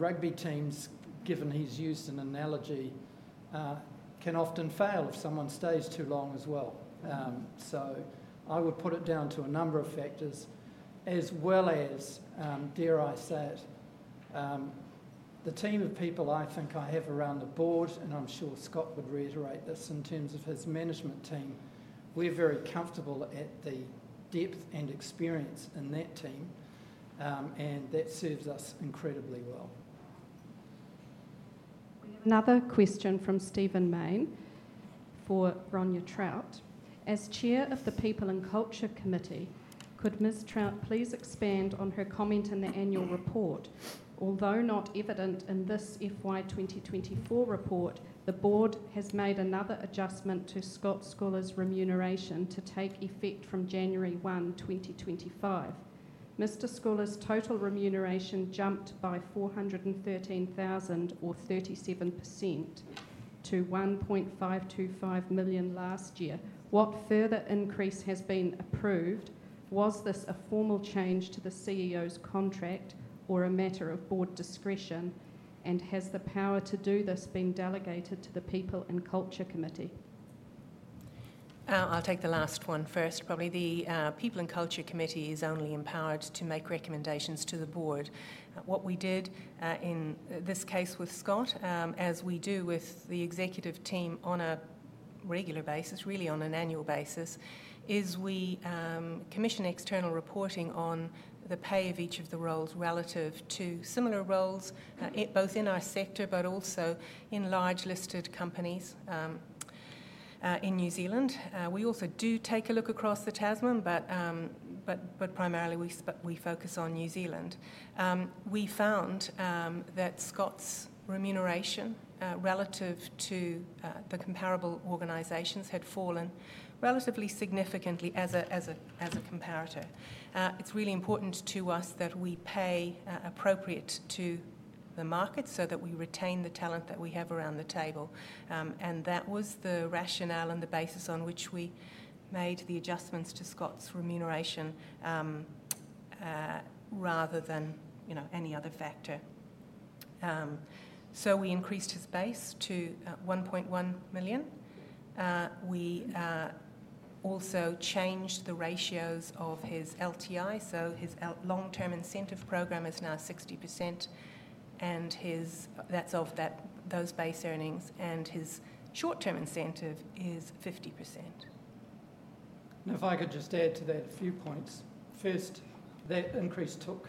rugby teams, given he's used an analogy, can often fail if someone stays too long as well. I would put it down to a number of factors. As well as, dare I say it, the team of people I think I have around the board, and I'm sure Scott would reiterate this in terms of his management team, we're very comfortable at the depth and experience in that team, and that serves us incredibly well. We have another question from Stephen Maine for Gráinne Troute. As Chair of the People and Culture Committee, could Ms. Troute please expand on her comment in the annual report? Although not evident in this FY2024 report, the board has made another adjustment to Scott Scoullar's remuneration to take effect from January 1, 2025. Mr. Scoullar's total remuneration jumped by 413,000 or 37% to 1.525 million last year. What further increase has been approved? Was this a formal change to the CEO's contract or a matter of board discretion? Has the power to do this been delegated to the People and Culture Committee? I'll take the last one first. Probably the People and Culture Committee is only empowered to make recommendations to the board. What we did in this case with Scott, as we do with the executive team on a regular basis, really on an annual basis, is we commission external reporting on the pay of each of the roles relative to similar roles, both in our sector but also in large listed companies in New Zealand. We also do take a look across the Tasman, but primarily we focus on New Zealand. We found that Scott's remuneration relative to the comparable organisations had fallen relatively significantly as a comparator. It's really important to us that we pay appropriate to the market so that we retain the talent that we have around the table. That was the rationale and the basis on which we made the adjustments to Scott's remuneration rather than any other factor. We increased his base to 1.1 million. We also changed the ratios of his LTI. His long-term incentive program is now 60%, and that's of those base earnings, and his short-term incentive is 50%. If I could just add to that a few points. First, that increase took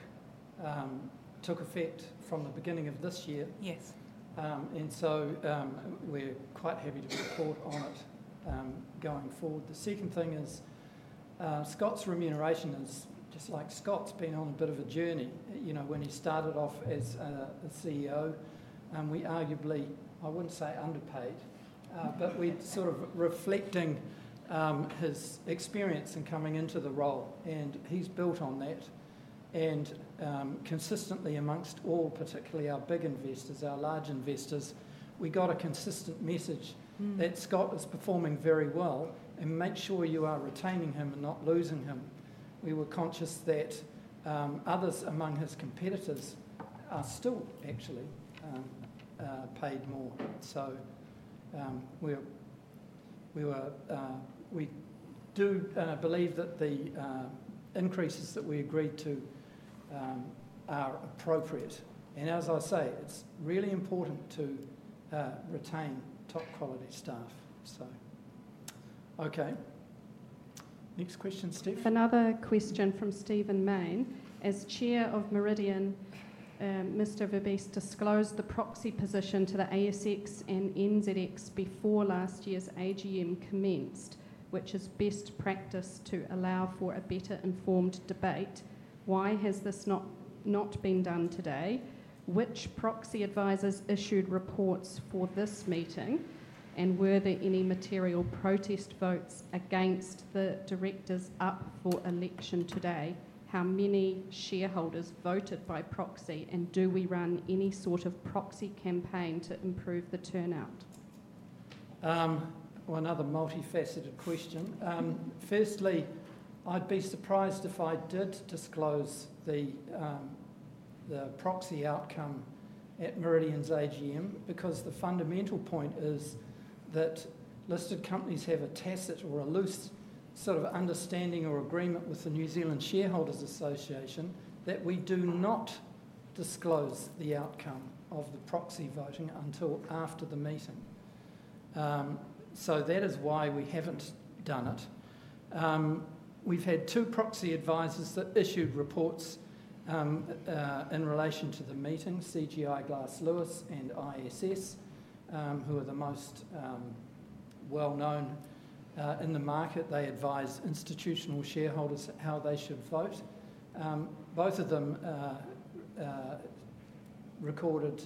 effect from the beginning of this year. We are quite happy to report on it going forward. The second thing is Scott's remuneration is, just like Scott, been on a bit of a journey. When he started off as CEO, we arguably, I would not say underpaid, but were sort of reflecting his experience in coming into the role. He has built on that. Consistently amongst all, particularly our big investors, our large investors, we got a consistent message that Scott is performing very well and make sure you are retaining him and not losing him. We were conscious that others among his competitors are still actually paid more. We do believe that the increases that we agreed to are appropriate. As I say, it's really important to retain top-quality staff. Okay. Next question, Steph. Another question from Stephen Maine. As chair of Meridian, Mr. Verbiest disclosed the proxy position to the ASX and NZX before last year's AGM commenced, which is best practice to allow for a better informed debate. Why has this not been done today? Which proxy advisors issued reports for this meeting? Were there any material protest votes against the directors up for election today? How many shareholders voted by proxy? Do we run any sort of proxy campaign to improve the turnout? Another multifaceted question. Firstly, I'd be surprised if I did disclose the proxy outcome at Summerset's AGM because the fundamental point is that listed companies have a tacit or a loose sort of understanding or agreement with the New Zealand Shareholders Association that we do not disclose the outcome of the proxy voting until after the meeting. That is why we haven't done it. We've had two proxy advisors that issued reports in relation to the meeting, CGI Glass Lewis and ISS, who are the most well-known in the market. They advise institutional shareholders how they should vote. Both of them recorded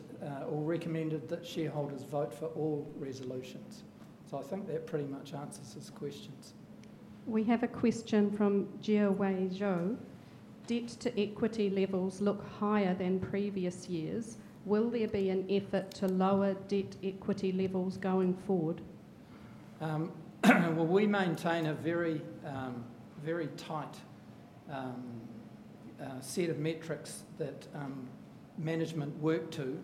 or recommended that shareholders vote for all resolutions. I think that pretty much answers his questions. We have a question from Jiawei Zhou. Debt-to-equity levels look higher than previous years. Will there be an effort to lower debt-equity levels going forward? We maintain a very tight set of metrics that management work to.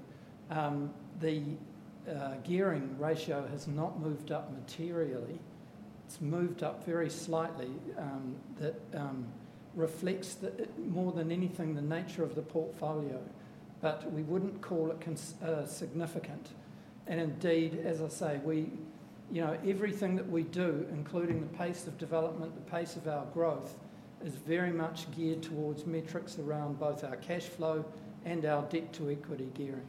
The gearing ratio has not moved up materially. It's moved up very slightly. That reflects more than anything the nature of the portfolio, but we wouldn't call it significant. Indeed, as I say, everything that we do, including the pace of development, the pace of our growth, is very much geared towards metrics around both our cash flow and our debt-to-equity gearing.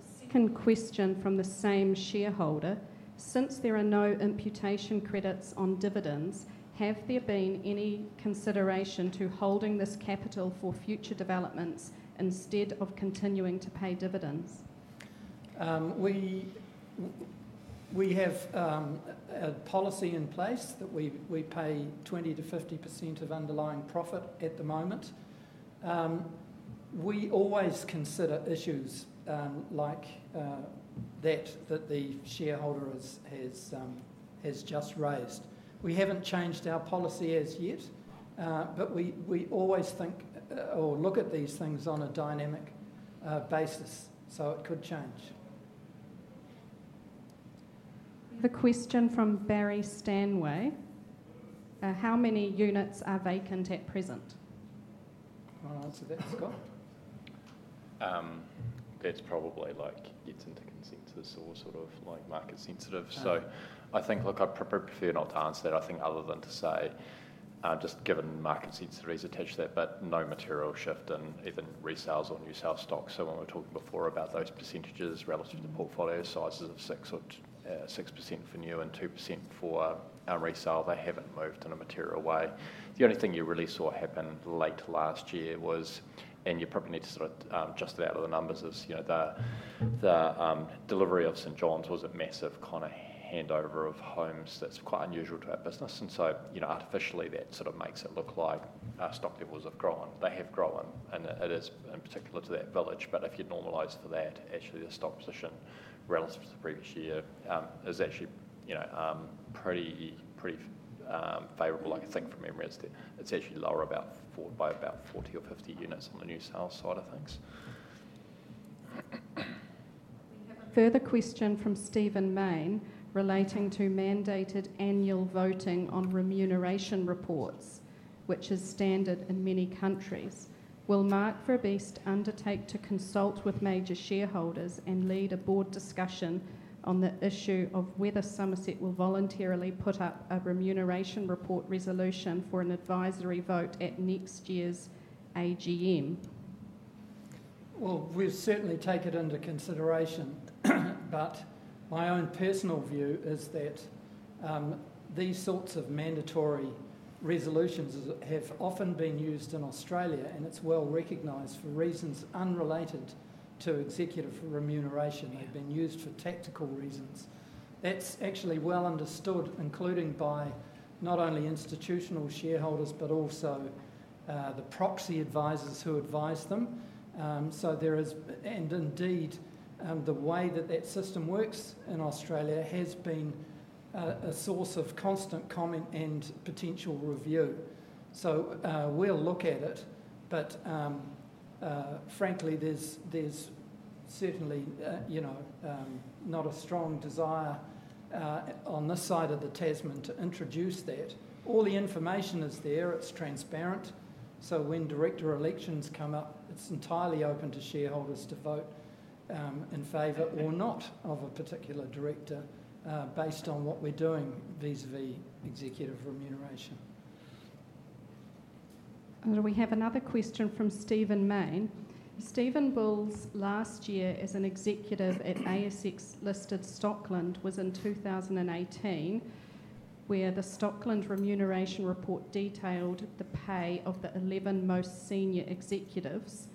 A second question from the same shareholder. Since there are no imputation credits on dividends, have there been any consideration to holding this capital for future developments instead of continuing to pay dividends? We have a policy in place that we pay 20%-50% of underlying profit at the moment. We always consider issues like that, that the shareholder has just raised. We have not changed our policy as yet, but we always think or look at these things on a dynamic basis. It could change. We have a question from Barry Stanway. How many units are vacant at present? I will answer that, Scott. That is probably like it is interconnected to the source or sort of like market sensitive. I think I would prefer not to answer that, I think, other than to say just given market sensitivity is attached to that, but no material shift in either resales or new sales stocks. When we were talking before about those percentages relative to portfolio sizes of 6% for new and 2% for resale, they have not moved in a material way. The only thing you really saw happen late last year was, and you probably need to sort of just it out of the numbers, is the delivery of St. John's was a massive kind of handover of homes. That is quite unusual to our business. That sort of makes it look like our stock levels have grown. They have grown, and it is in particular to that village. If you normalize for that, actually the stock position relative to the previous year is actually pretty favorable. I can think from memory as it is actually lower by about 40 or 50 units on the new sales side of things. We have a further question from Stephen Maine relating to mandated annual voting on remuneration reports, which is standard in many countries. Will Mark Verbiest undertake to consult with major shareholders and lead a board discussion on the issue of whether Summerset will voluntarily put up a remuneration report resolution for an advisory vote at next year's AGM? We will certainly take it into consideration, but my own personal view is that these sorts of mandatory resolutions have often been used in Australia, and it is well recognized for reasons unrelated to executive remuneration. They have been used for tactical reasons. That is actually well understood, including by not only institutional shareholders but also the proxy advisors who advise them. Indeed, the way that that system works in Australia has been a source of constant comment and potential review. We will look at it, but frankly, there is certainly not a strong desire on this side of the Tasman to introduce that. All the information is there. It is transparent. When director elections come up, it's entirely open to shareholders to vote in favor or not of a particular director based on what we're doing vis-à-vis executive remuneration. We have another question from Stephen Maine. Stephen Bull's last year as an executive at ASX-listed Stockland was in 2018, where the Stockland remuneration report detailed the pay of the 11 most senior executives.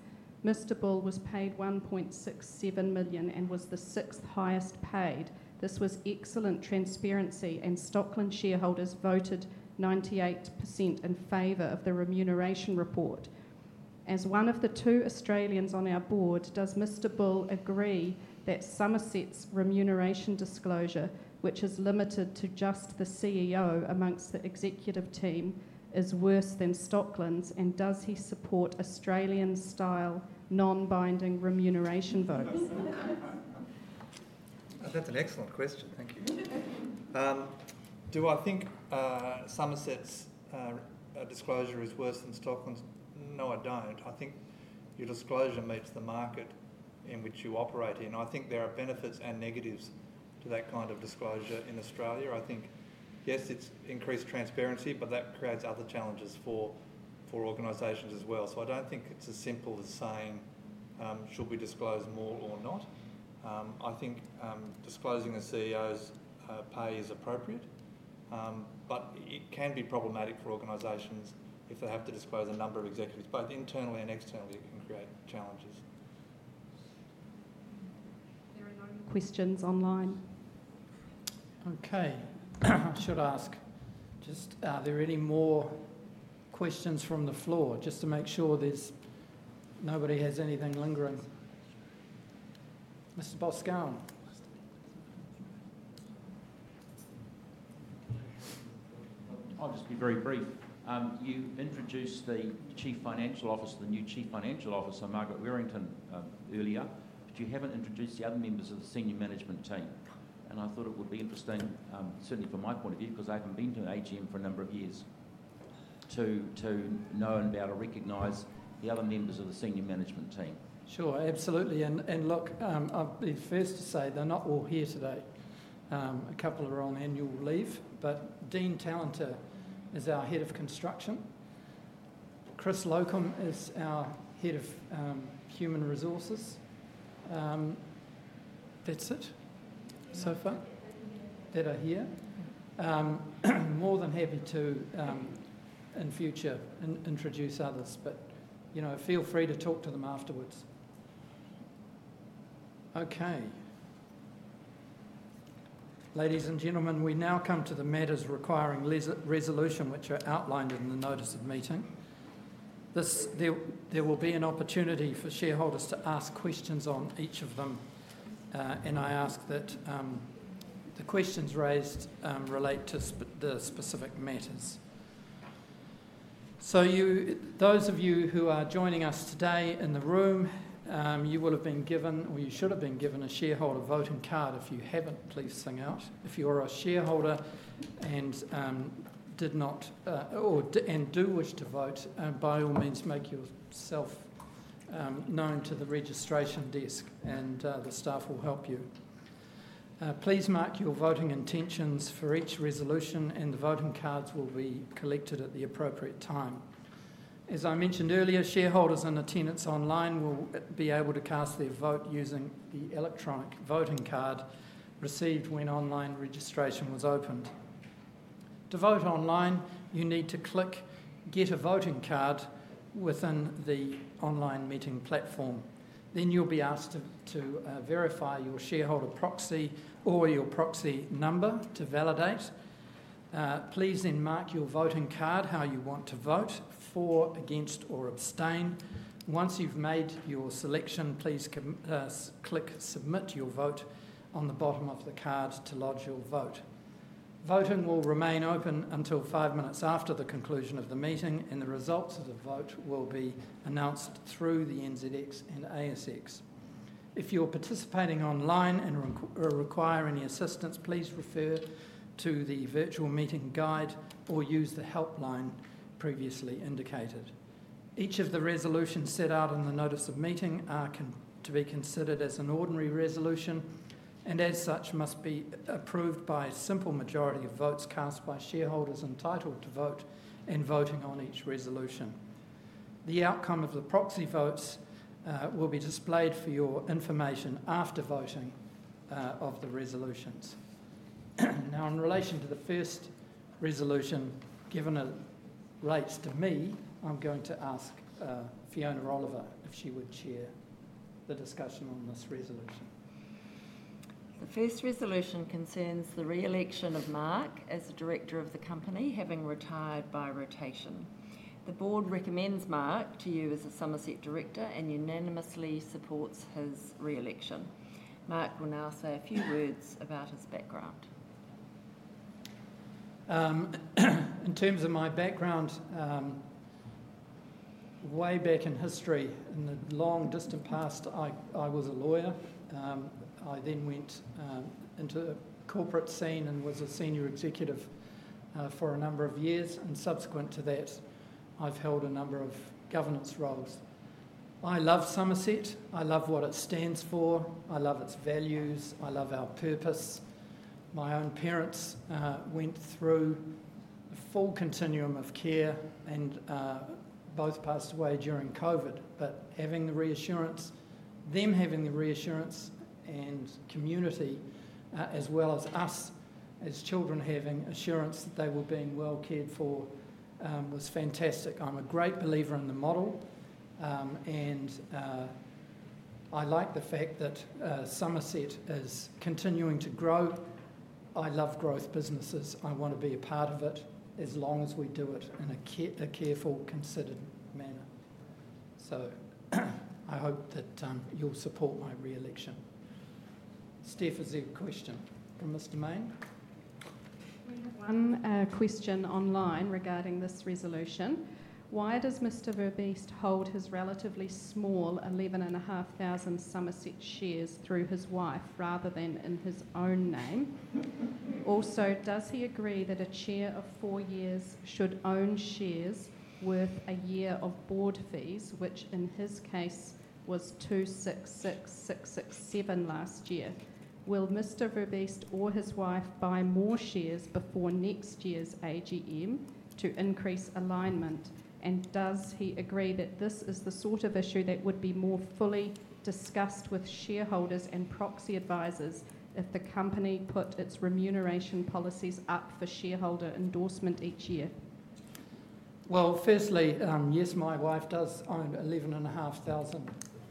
Mr. Bull was paid 1.67 million and was the sixth highest paid. This was excellent transparency, and Stockland shareholders voted 98% in favor of the remuneration report. As one of the two Australians on our board, does Mr. Bull agree that Summerset's remuneration disclosure, which is limited to just the CEO amongst the executive team, is worse than Stockland's, and does he support Australian-style non-binding remuneration votes? That's an excellent question. Thank you. Do I think Summerset's disclosure is worse than Stockland's? No, I don't. I think your disclosure meets the market in which you operate in. I think there are benefits and negatives to that kind of disclosure in Australia. I think, yes, it's increased transparency, but that creates other challenges for organizations as well. I don't think it's as simple as saying should we disclose more or not. I think disclosing the CEO's pay is appropriate, but it can be problematic for organizations if they have to disclose a number of executives, both internally and externally. It can create challenges. There are no more questions online. Okay. I should ask just, are there any more questions from the floor? Just to make sure nobody has anything lingering. Mr. Scott Scoullar. I'll just be very brief. You introduced the Chief Financial Officer, the new Chief Financial Officer, Margaret Warrington, earlier, but you haven't introduced the other members of the senior management team. I thought it would be interesting, certainly from my point of view, because I haven't been to an AGM for a number of years, to know and be able to recognize the other members of the senior management team. Sure. Absolutely. Look, I'll be first to say they're not all here today. A couple are on annual leave, but Dean Talenter is our Head of Construction. Chris Lokum is our Head of Human Resources. That's it so far that are here. More than happy to, in future, introduce others, but feel free to talk to them afterwards. Okay. Ladies and gentlemen, we now come to the matters requiring resolution, which are outlined in the notice of meeting. There will be an opportunity for shareholders to ask questions on each of them, and I ask that the questions raised relate to the specific matters. Those of you who are joining us today in the room, you will have been given, or you should have been given, a shareholder voting card. If you haven't, please sign out. If you are a shareholder and do wish to vote, by all means, make yourself known to the registration desk, and the staff will help you. Please mark your voting intentions for each resolution, and the voting cards will be collected at the appropriate time. As I mentioned earlier, shareholders in attendance online will be able to cast their vote using the electronic voting card received when online registration was opened. To vote online, you need to click "Get a Voting Card" within the online meeting platform. You will be asked to verify your shareholder proxy or your proxy number to validate. Please then mark your voting card how you want to vote: for, against, or abstain. Once you've made your selection, please click "Submit Your Vote" on the bottom of the card to lodge your vote. Voting will remain open until five minutes after the conclusion of the meeting, and the results of the vote will be announced through the NZX and ASX. If you're participating online and require any assistance, please refer to the virtual meeting guide or use the helpline previously indicated. Each of the resolutions set out in the notice of meeting are to be considered as an ordinary resolution, and as such, must be approved by a simple majority of votes cast by shareholders entitled to vote in voting on each resolution. The outcome of the proxy votes will be displayed for your information after voting of the resolutions. Now, in relation to the first resolution, given the rights to me, I'm going to ask Fiona Oliver if she would chair the discussion on this resolution. The first resolution concerns the re-election of Mark as the director of the company, having retired by rotation. The board recommends Mark to you as a Summerset director and unanimously supports his re-election. Mark will now say a few words about his background. In terms of my background, way back in history, in the long distant past, I was a lawyer. I then went into the corporate scene and was a senior executive for a number of years. Subsequent to that, I've held a number of governance roles. I love Summerset. I love what it stands for. I love its values. I love our purpose. My own parents went through a full continuum of care and both passed away during COVID. Having the reassurance, them having the reassurance and community, as well as us as children having assurance that they were being well cared for, was fantastic. I'm a great believer in the model, and I like the fact that Summerset is continuing to grow. I love growth businesses. I want to be a part of it as long as we do it in a careful, considered manner. I hope that you'll support my re-election. Steph, is there a question from Mr. Maine? We have one question online regarding this resolution. Why does Mr. Verbiest hold his relatively small 11,500 Summerset shares through his wife rather than in his own name? Also, does he agree that a chair of four years should own shares worth a year of board fees, which in his case was 266,667 last year? Will Mr. Verbiest or his wife buy more shares before next year's AGM to increase alignment? Does he agree that this is the sort of issue that would be more fully discussed with shareholders and proxy advisors if the company put its remuneration policies up for shareholder endorsement each year? Firstly, yes, my wife does own 11,500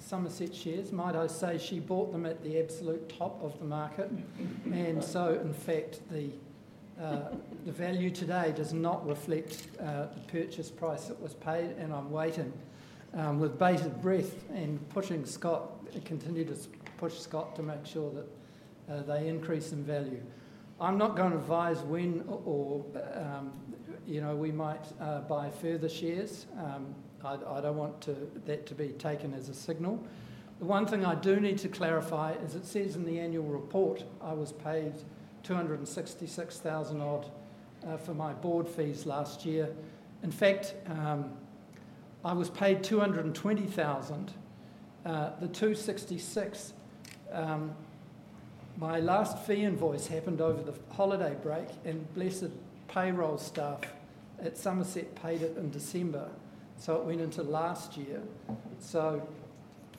Summerset shares. Might I say she bought them at the absolute top of the market? In fact, the value today does not reflect the purchase price that was paid, and I'm waiting with bated breath and continuing to push Scott to make sure that they increase in value. I'm not going to advise when or if we might buy further shares. I do not want that to be taken as a signal. The one thing I do need to clarify is it says in the annual report I was paid 266,000 odd for my board fees last year. In fact, I was paid 220,000. The 266, my last fee invoice happened over the holiday break, and blessed payroll staff at Summerset paid it in December, so it went into last year. So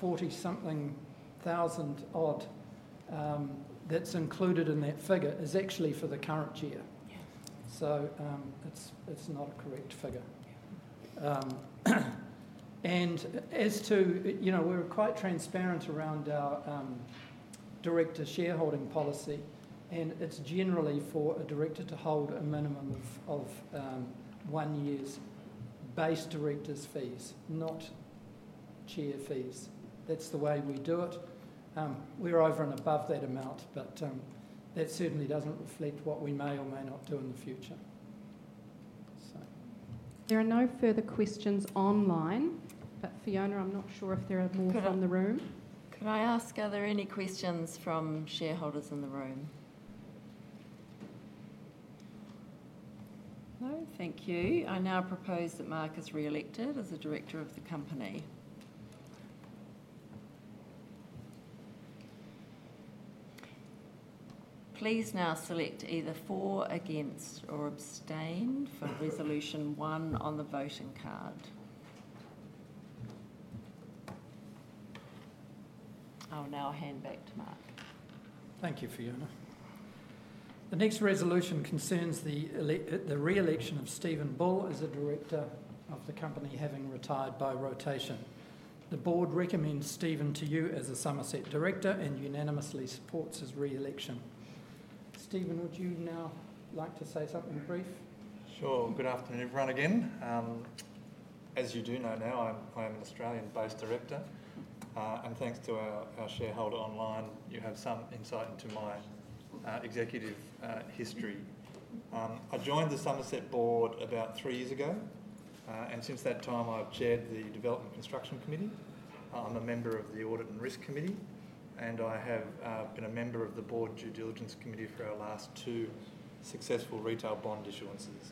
40-something thousand odd that's included in that figure is actually for the current year. It is not a correct figure. We are quite transparent around our director shareholding policy, and it is generally for a director to hold a minimum of one year's base director's fees, not chair fees. That is the way we do it. We are over and above that amount, but that certainly does not reflect what we may or may not do in the future. There are no further questions online, but Fiona, I'm not sure if there are more from the room. Can I ask, are there any questions from shareholders in the room? No? Thank you. I now propose that Mark is re-elected as a director of the company. Please now select either for, against, or abstain for resolution one on the voting card. I'll now hand back to Mark. Thank you, Fiona. The next resolution concerns the re-election of Stephen Bull as a director of the company, having retired by rotation. The board recommends Stephen to you as a Summerset director and unanimously supports his re-election. Stephen, would you now like to say something brief? Sure. Good afternoon, everyone again. As you do know now, I am an Australian-based director, and thanks to our shareholder online, you have some insight into my executive history. I joined the Summerset board about three years ago, and since that time, I've chaired the Development and Construction Committee. I'm a member of the Audit and Risk Committee, and I have been a member of the board due diligence committee for our last two successful retail bond issuances.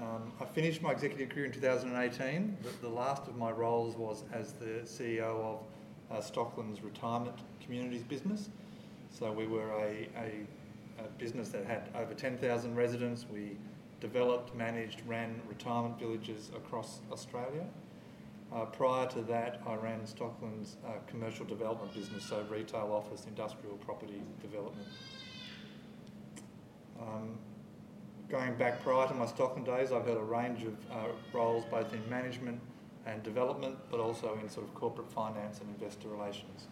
I finished my executive career in 2018. The last of my roles was as the CEO of Stockland's retirement communities business. We were a business that had over 10,000 residents. We developed, managed, ran retirement villages across Australia. Prior to that, I ran Stockland's commercial development business, so retail office, industrial property development. Going back prior to my Stockland days, I've had a range of roles, both in management and development, but also in sort of corporate finance and investor relations.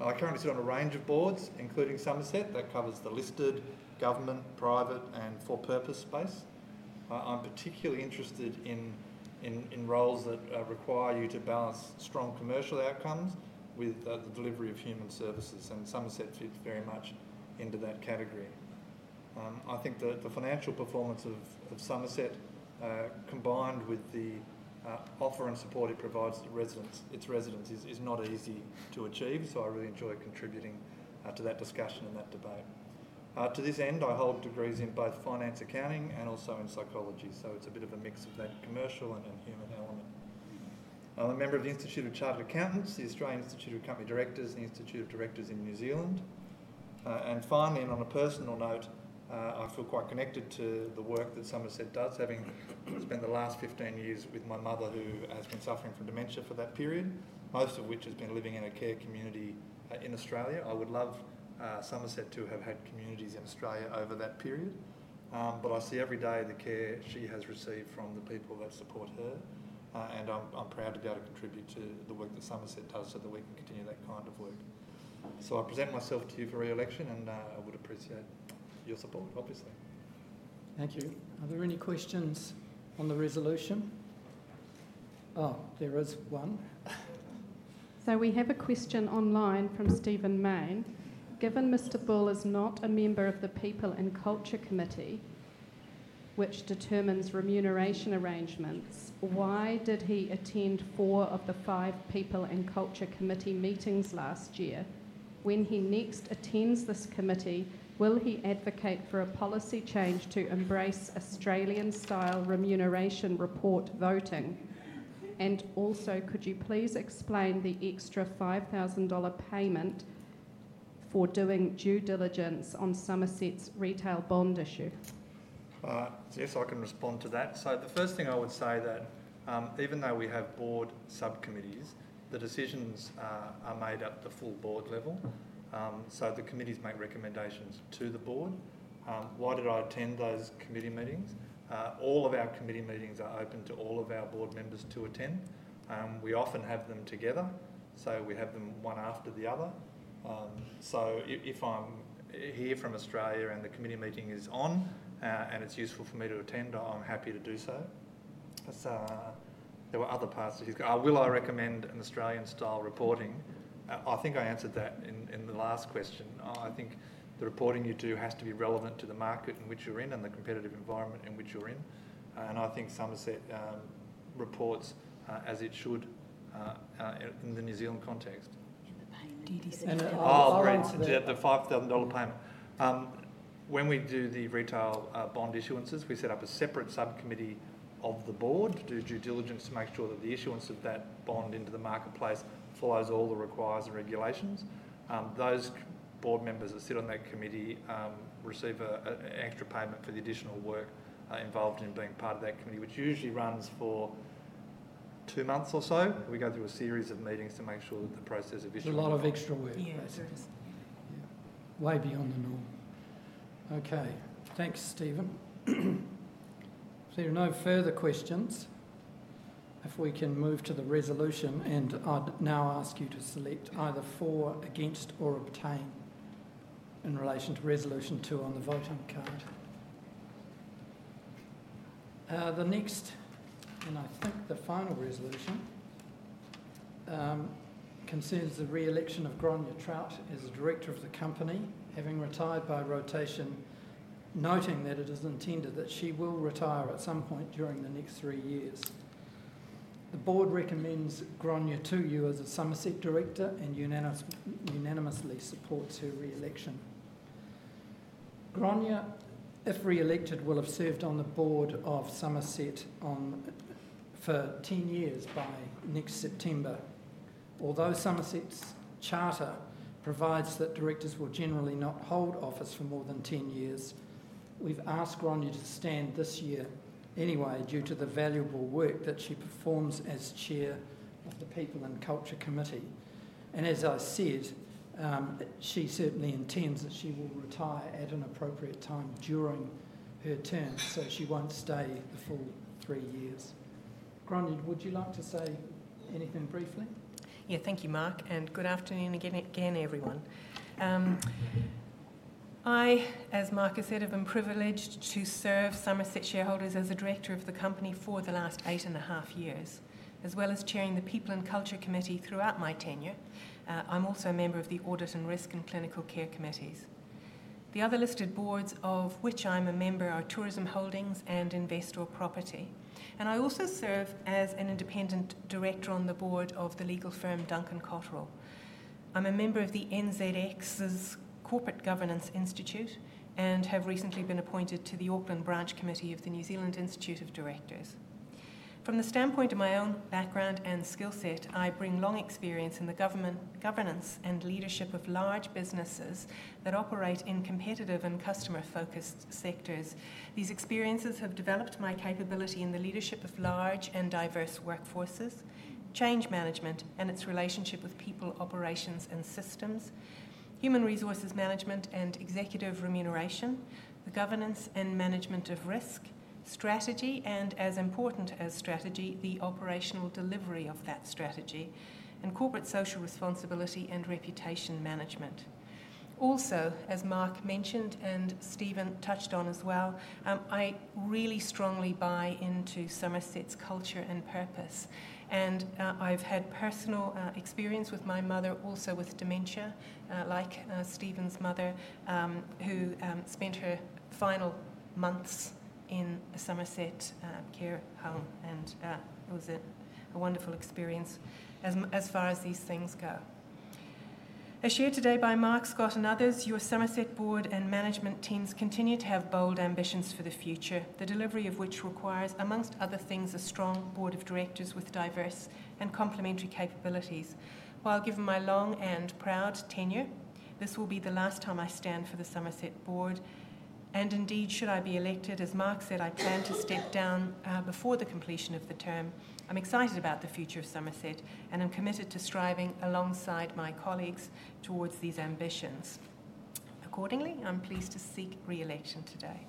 I currently sit on a range of boards, including Summerset. That covers the listed, government, private, and for-purpose space. I'm particularly interested in roles that require you to balance strong commercial outcomes with the delivery of human services, and Summerset fits very much into that category. I think the financial performance of Summerset, combined with the offer and support it provides to its residents, is not easy to achieve, so I really enjoy contributing to that discussion and that debate. To this end, I hold degrees in both finance, accounting, and also in psychology, so it's a bit of a mix of that commercial and human element. I'm a member of the Institute of Chartered Accountants, the Australian Institute of Company Directors, and the Institute of Directors in New Zealand. Finally, on a personal note, I feel quite connected to the work that Summerset does, having spent the last 15 years with my mother, who has been suffering from dementia for that period, most of which has been living in a care community in Australia. I would love Summerset to have had communities in Australia over that period, but I see every day the care she has received from the people that support her, and I'm proud to be able to contribute to the work that Summerset does so that we can continue that kind of work. I present myself to you for re-election, and I would appreciate your support, obviously. Thank you. Are there any questions on the resolution? There is one. We have a question online from Stephen Maine. Given Mr. Bull is not a member of the People and Culture Committee, which determines remuneration arrangements, why did he attend four of the five People and Culture Committee meetings last year? When he next attends this committee, will he advocate for a policy change to embrace Australian-style remuneration report voting? Also, could you please explain the extra $5,000 payment for doing due diligence on Summerset's retail bond issue? Yes, I can respond to that. The first thing I would say is that even though we have board subcommittees, the decisions are made at the full board level, so the committees make recommendations to the board. Why did I attend those committee meetings? All of our committee meetings are open to all of our board members to attend. We often have them together, so we have them one after the other. If I'm here from Australia and the committee meeting is on and it's useful for me to attend, I'm happy to do so. There were other parts of his—will I recommend an Australian-style reporting? I think I answered that in the last question. I think the reporting you do has to be relevant to the market in which you're in and the competitive environment in which you're in. I think Summerset reports as it should in the New Zealand context. The NZD 5,000 payment. When we do the retail bond issuances, we set up a separate subcommittee of the board to do due diligence to make sure that the issuance of that bond into the marketplace follows all the requires and regulations. Those board members that sit on that committee receive an extra payment for the additional work involved in being part of that committee, which usually runs for two months or so. We go through a series of meetings to make sure that the process of issuance—a lot of extra work. Yes.Way beyond the norm. Okay. Thanks, Stephen. Is there no further questions? If we can move to the resolution, and I'd now ask you to select either for, against, or abstain in relation to resolution two on the voting card. The next, and I think the final resolution, concerns the re-election of Gráinne Troute as a director of the company, having retired by rotation, noting that it is intended that she will retire at some point during the next three years. The board recommends Gráinne to you as a Summerset director and unanimously supports her re-election. Gráinne, if re-elected, will have served on the board of Summerset for 10 years by next September. Although Summerset's charter provides that directors will generally not hold office for more than 10 years, we've asked Gráinne to stand this year anyway due to the valuable work that she performs as chair of the people and culture committee. As I said, she certainly intends that she will retire at an appropriate time during her term, so she won't stay the full three years. Gráinne, would you like to say anything briefly? Yeah. Thank you, Mark. Good afternoon again, everyone. I, as Mark has said, have been privileged to serve Summerset shareholders as a director of the company for the last eight and a half years, as well as chairing the people and culture committee throughout my tenure. I'm also a member of the Audit and Risk and Clinical Care Committees. The other listed boards of which I'm a member are Tourism Holdings and Investor Property, and I also serve as an independent director on the board of the legal firm Duncan Cotterell. I'm a member of the NZX's Corporate Governance Institute and have recently been appointed to the Auckland Branch Committee of the New Zealand Institute of Directors. From the standpoint of my own background and skill set, I bring long experience in the governance and leadership of large businesses that operate in competitive and customer-focused sectors. These experiences have developed my capability in the leadership of large and diverse workforces, change management and its relationship with people, operations, and systems, human resources management and executive remuneration, the governance and management of risk, strategy, and as important as strategy, the operational delivery of that strategy, and corporate social responsibility and reputation management. Also, as Mark mentioned and Stephen touched on as well, I really strongly buy into Summerset's culture and purpose. I have had personal experience with my mother, also with dementia, like Stephen's mother, who spent her final months in a Summerset care home, and it was a wonderful experience as far as these things go. As shared today by Mark, Scott, and others, your Summerset board and management teams continue to have bold ambitions for the future, the delivery of which requires, amongst other things, a strong board of directors with diverse and complementary capabilities. While given my long and proud tenure, this will be the last time I stand for the Summerset board. And indeed, should I be elected, as Mark said, I plan to step down before the completion of the term. I'm excited about the future of Summerset, and I'm committed to striving alongside my colleagues towards these ambitions. Accordingly, I'm pleased to seek re-election today.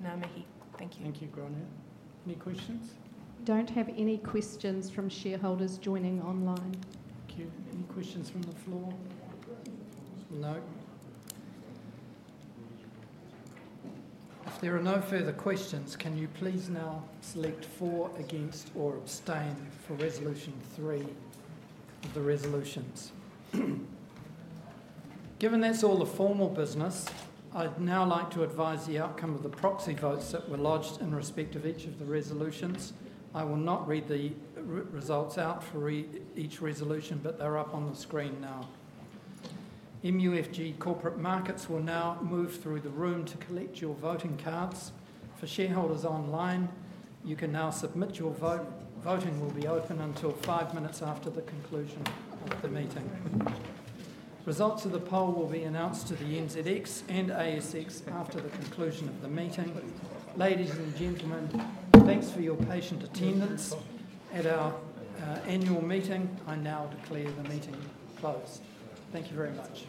Naomi, thank you. Thank you, Gráinne. Any questions? Don't have any questions from shareholders joining online. Thank you. Any questions from the floor? No. If there are no further questions, can you please now select for, against, or abstain for resolution three of the resolutions? Given that's all the formal business, I'd now like to advise the outcome of the proxy votes that were lodged in respect of each of the resolutions.I will not read the results out for each resolution, but they're up on the screen now. MUFG Corporate Markets will now move through the room to collect your voting cards. For shareholders online, you can now submit your vote. Voting will be open until five minutes after the conclusion of the meeting. Results of the poll will be announced to the NZX and ASX after the conclusion of the meeting. Ladies and gentlemen, thanks for your patient attendance at our annual meeting. I now declare the meeting closed. Thank you very much.